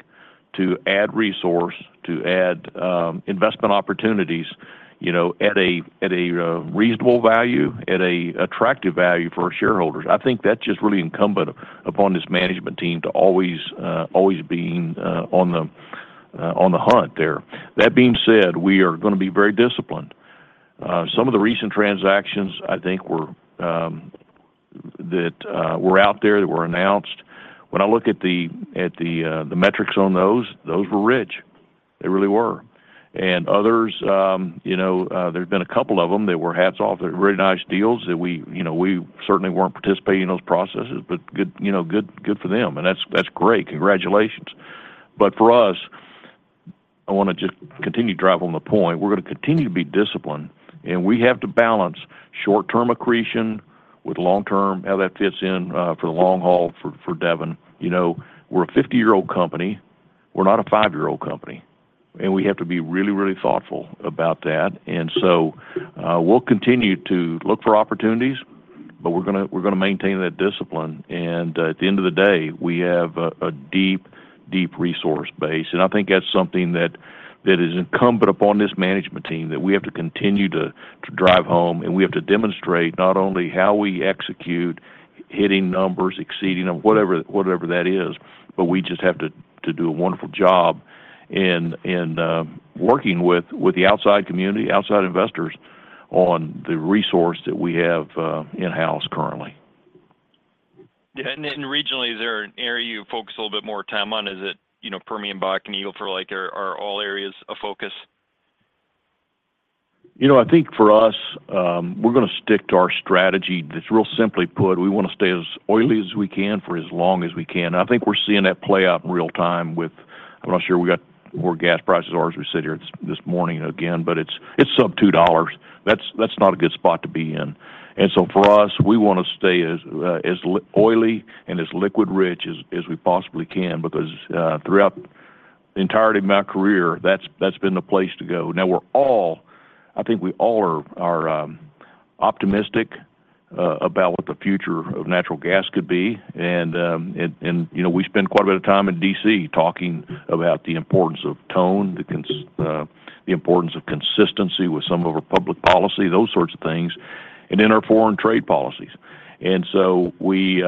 to add resource, to add investment opportunities, you know, at a reasonable value, at an attractive value for our shareholders. I think that's just really incumbent upon this management team to always, always being on the, on the hunt there. That being said, we are going to be very disciplined. Some of the recent transactions I think were that were out there, that were announced. When I look at the, at the metrics on those, those were rich. They really were. And others, you know, there's been a couple of them that were hats off, very nice deals that we, you know, we certainly weren't participating in those processes. But good, you know, good, good for them and that's, that's great, congratulations. But for us, I want to just continue to drive on the point we're going to continue to be disciplined and we have to balance short term accretion with long term, how that fits in for the long haul for Devon, you know, we're a 50-year-old company, we're not a 5-year-old company and we have to be really, really thoughtful about that. And so we'll continue to look for opportunities but we're going to maintain that discipline. And at the end of the day we have a deep, deep resource base. I think that's something that is incumbent upon this management team that we have to continue to drive home and we have to demonstrate not only how we execute, hitting numbers exceeding whatever that is, but we just have to do a wonderful job in working with the outside community, outside investors on the resource that we have in house currently and regionally. Is there an area you focus a little bit more time on? Is it, you know, Permian, Bakken, Eagle Ford like are all areas of focus. You know, I think for us we're going to stick to our strategy. That's real. Simply put, we want to stay as oily as we can for as long as we can. I think we're seeing that play out in real time with, I'm not sure we got more gas prices are as we sit here this morning again. But it's sub $2. That's not a good spot to be in. And so for us we want to stay as oily and as liquid rich as we possibly can because throughout the entirety of my career that's been the place to go. Now we're all, I think we all are optimistic about what the future of natural gas could be and you know we spend quite a bit of time in D.C. talking about the importance of tone, the importance of consistency with some of our public policy, those sorts of things and in our foreign trade policies. So we,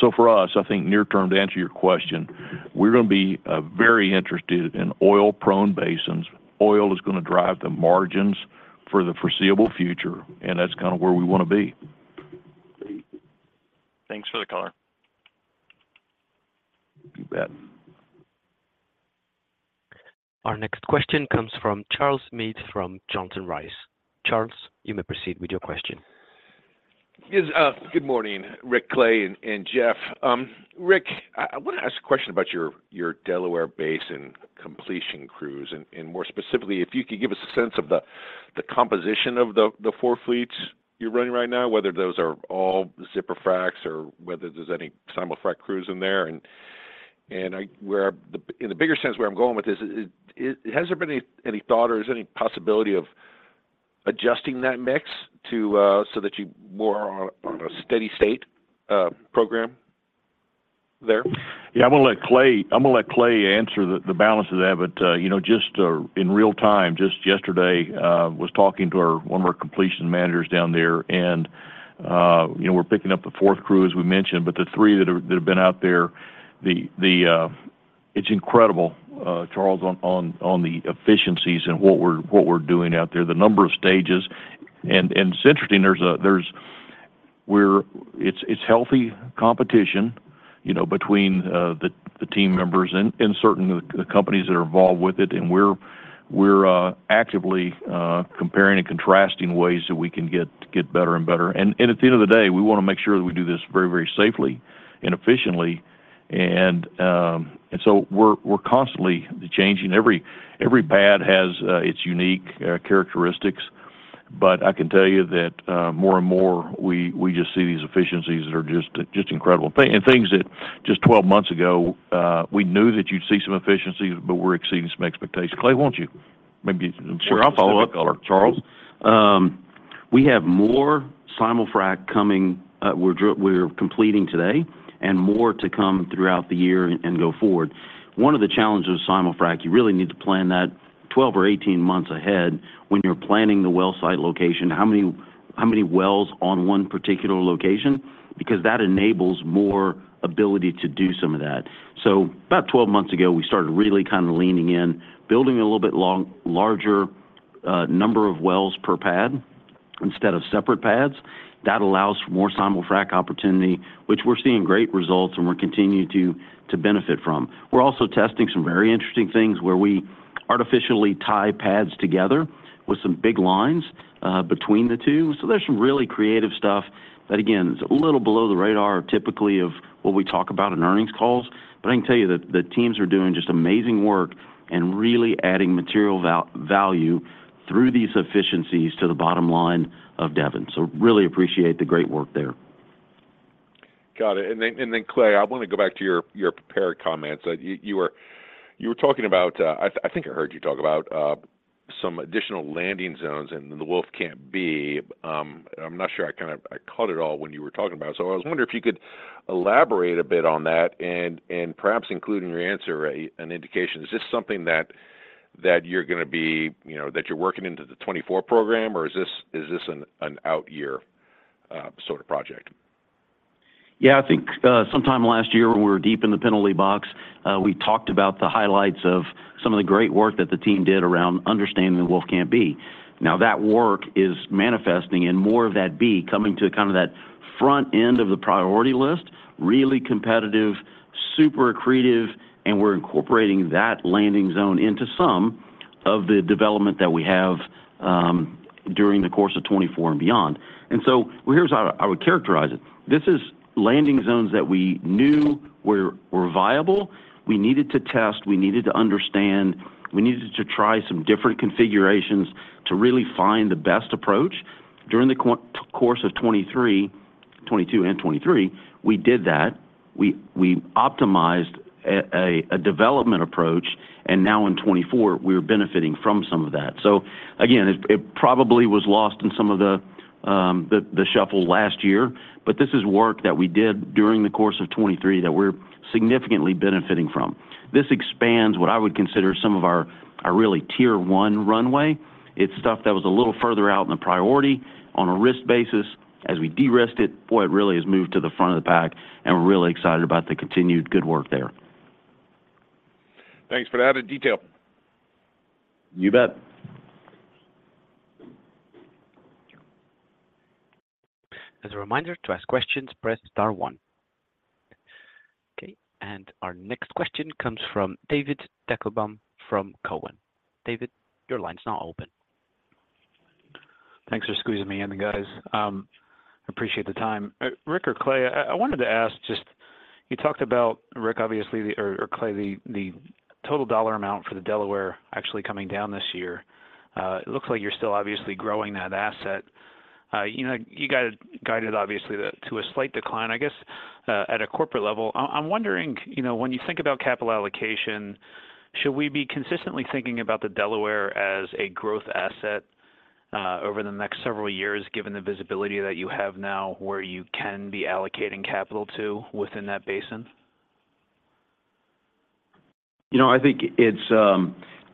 so for us I think near term to answer your question, we're going to be very interested in oil prone basins. Oil is going to drive the margins for the foreseeable future and that's kind of where we want to be. Thanks for the color. Our next question comes from Charles Meade from Johnson Rice. Charles, you may proceed with your question. Good morning Rick, Clay and Jeff. Rick, I want to ask a question. About your Delaware Basin completion crews and more specifically if you could give us a sense of the composition of the four fleets you're running right now whether those are all zipper fracs or whether there's any Simul-Frac crews in there and in the bigger sense where I'm going with this has there been any thought or is there any possibility of adjusting? That mix so that you more on. A steady state program there? Yeah, I'm going to let Clay answer the balance of that, but you know, just in real time, just yesterday was talking to our, one of our completion managers down there, and you know we're picking up the fourth crew as we mentioned, but the three that have been out there. It's incredible, Charles, on the efficiencies and what we're doing out there, the number of stages, and it's interesting there's where it's healthy competition you know between the team members and certain companies that are involved with it, and we're, we're actively comparing and contrasting ways that we can get better and better, and at the end of the day we want to make sure that we do this very, very safely and efficiently. So we're constantly changing. Every basin has its unique characteristics, but I can tell you that more and more we just see these efficiencies that are just incredible and things that just 12 months ago we knew that you'd see some efficiencies but we're exceeding some expectations. Clay, won't you, maybe. Sure, I'll follow up. Charles, we have more SIMULFRAC coming. We're completing today and more to come throughout the year and go forward. One of the challenges of SIMULFRAC, you really need to plan that 12 or 18 months ahead when you're planning the well site location, how many. How many wells on one particular location because that enables more ability to do some of that. So about 12 months ago, we started really kind of leaning in building a little bit long, larger number of wells per pad instead of separate pads. That allows for more SIMULFRAC opportunity, which we're seeing great results and we're continuing to benefit from. We're also testing some very interesting things where we artificially tie pads together with some big lines and between the two. So there's some really creative stuff that again, is a little below the radar, typically of what we talk about in earnings calls. But I can tell you that the teams are doing just amazing work and really adding material value through these efficiencies to the bottom line of Devon. So really appreciate the great work there. Got it. And then, Clay, I want to go back to your prepared comments you were talking about. I think I heard you talk about some additional landing zones and the Wolfcamp. I'm not sure. I kind of. I caught it all when you were talking about. So I was wondering if you could elaborate a bit on that and perhaps include in your answer an indication, is this something that you're going to be, you know, that you're working into the 2024 program or is this an out year sort of project? Yeah, I think sometime last year when we were deep in the penalty box, we talked about the highlights of some of the great work that the team did around understanding the Wolfcamp B. Now that work is manifesting in more of that B coming to kind of that front end of the priority list. Really competitive, super accretive. And we're incorporating that landing zone into some of the development that we have during the course of 2024 and beyond. And so here's how I would characterize it. This is landing zones that we knew were viable. We needed to test, we needed to understand, we needed to try some different configurations to really find the best approach. During the course of 2023, 2022 and 2023, we did that. We. We optimized a development approach and now in 2024, we're benefiting from some of that. So again, it probably was lost in some of the shuffle last year, but this is work that we did during the course of 2023 that we're significantly benefiting from. This expands what I would consider some of our really Tier one runway. It's stuff that was a little further out in the priority on a risk basis as we de-risked it. Boy, it really has moved to the front of the pack and we're really excited about the continued good work there. Thanks for that detail. You bet. As a reminder to ask questions, press star one. Okay. And our next question comes from David Deckelbaum from Cowen. David, your line's not open. Thanks for squeezing me in, guys. Appreciate the time. Rick or Clay? I wanted to ask, just you talked about Rick obviously, or Clay. The total dollar amount for the Delaware actually coming down this year, it looks like you're still obviously growing that asset. You know, you got guided obviously to a slight decline, I guess at a corporate level. I'm wondering, you know, when you think about capital allocation, should we be consistently thinking about the Delaware as a growth asset over the next several years, given the visibility that you have now where you can be allocating capital to within that basin? You know, I think it's,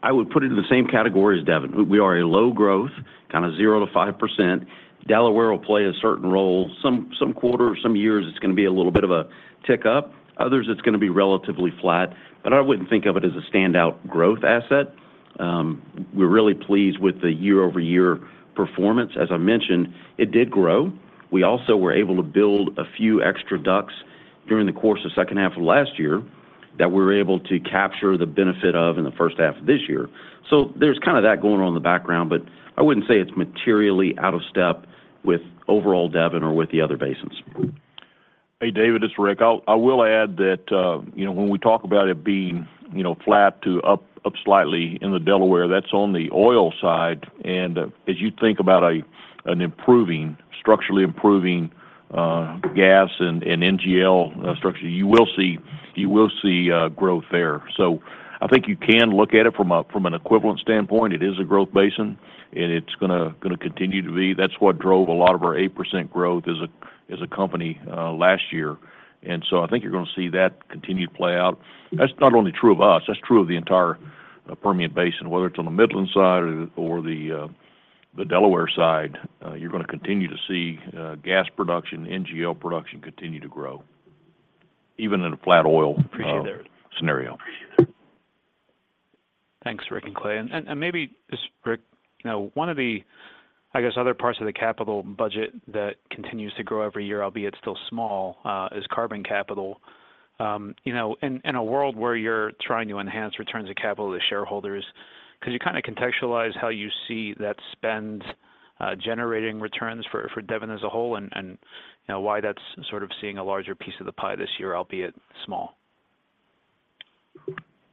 I would put it in the same category as Devon. We are a low growth kind of 0%-5%. Delaware will play a certain role. Some quarters, some years it's going to be a little bit of a tick up. Others it's going to be relatively flat. But I wouldn't think of it as a standout growth asset. We're really pleased with the year-over-year performance. As I mentioned, it did grow. We also were able to build a few extra DUCs during the course of second half of last year that we were able to capture the benefit of in the first half of this year. So there's kind of that going on in the background. But I wouldn't say it's materially out of step with overall Devon or with the other basins. Hey David, it's Rick. I will add that, you know, when we talk about it being, you know, flat to up slightly in the Delaware, that's on the oil side. And as you think about an improving structurally improving gas and NGL structure, you will see growth there. So I think you can look at it from an equivalent standpoint. It is a growth basin and it's going to continue to be. That's what drove a lot of our 8% growth as a company last year. And so I think you're going to see that continue to play out. That's not only true of us, that's true of the entire Permian Basin, whether it's on the Midland side or the Delaware side. You're going to continue to see gas production, NGL production continue to grow even in a flat oil scenario. Thanks, Rick and Clay and maybe Rick. One of the, I guess, other parts. Of the capital budget that continues to grow every year, albeit still small, is carbon capital. You know, in a world where you're trying to enhance returns of capital to shareholders, could you kind of contextualize how you see that spend generating returns for Devon as a whole and why that's sort of seeing a larger piece of the pie this year, albeit small?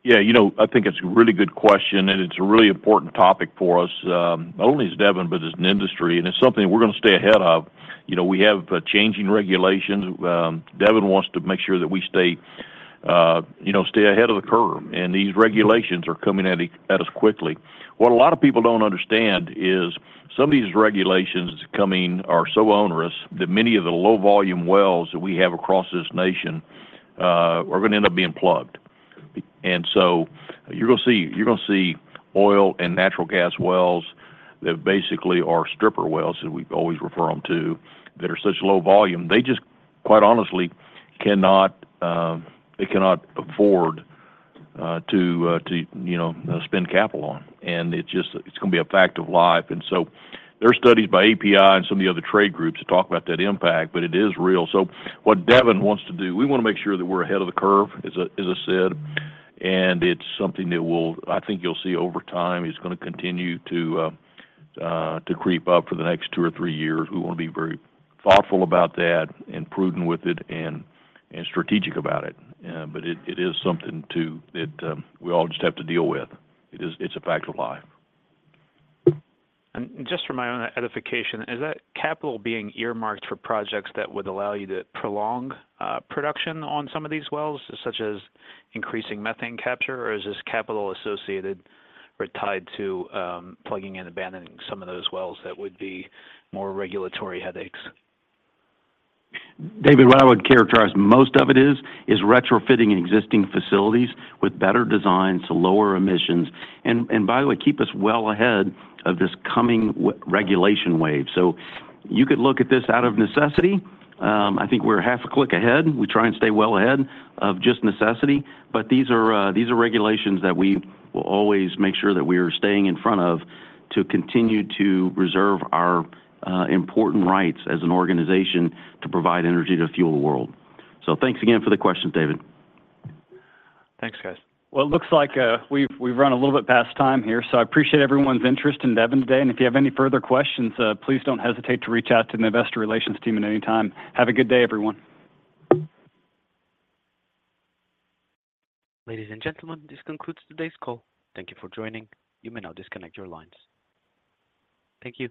Yeah, you know, I think it's a really good question and it's a really important topic for us, not only as Devon, but as an industry. And it's something we're going to stay ahead of. You know, we have changing regulations. Devon wants to make sure that we stay, you know, stay ahead of the curve. And these regulations are coming at us quickly. What a lot of people don't understand is some of these regulations coming are so onerous that many of the low volume wells that we have across this nation are going to end up being plugged. And so you're going to see, you're going to see oil and natural gas wells that basically are stripper wells that we always refer them to that are such low volume they just quite honestly cannot, they cannot afford to, you know, spend capital on. It's just, it's going to be a fact of life. So there are studies by API and some of the other trade groups to talk about that impact, but it is real. So what Devon wants to do, we want to make sure that we're ahead of the curve, as I said. And it's something that will, I think you'll see over time, it's going to continue to creep up for the next two or three years. We want to be very thoughtful about that and prudent with it and strategic about it, but it is something that we all just have to deal with. It's a fact of life. Just for my own edification, is that capital being earmarked for projects that would allow you to prolong production on some of these wells, such as increasing methane capture, or is this capital associated or tied to plugging and abandoning some of those wells? That would be more regulatory headaches. David, what I would characterize most of it is, is retrofitting existing facilities with better designs to lower emissions and by the way, keep us well ahead of this coming regulation wave. You could look at this out of necessity. I think we're half a click ahead. We try and stay well ahead of just necessity, but these are regulations that we will always make sure that we are staying in front of to continue to reserve our important rights as an organization to provide energy to fuel the world. Thanks again for the question, David. Thanks, guys. Well, it looks like we've run a little bit past time here, so I appreciate everyone's interest in Devon today. If you have any further questions, please don't hesitate to reach out to the investor relations team at any time. Have a good day, everyone. Ladies and gentlemen, this concludes today's call. Thank you for joining. You may now disconnect your lines. Thank you.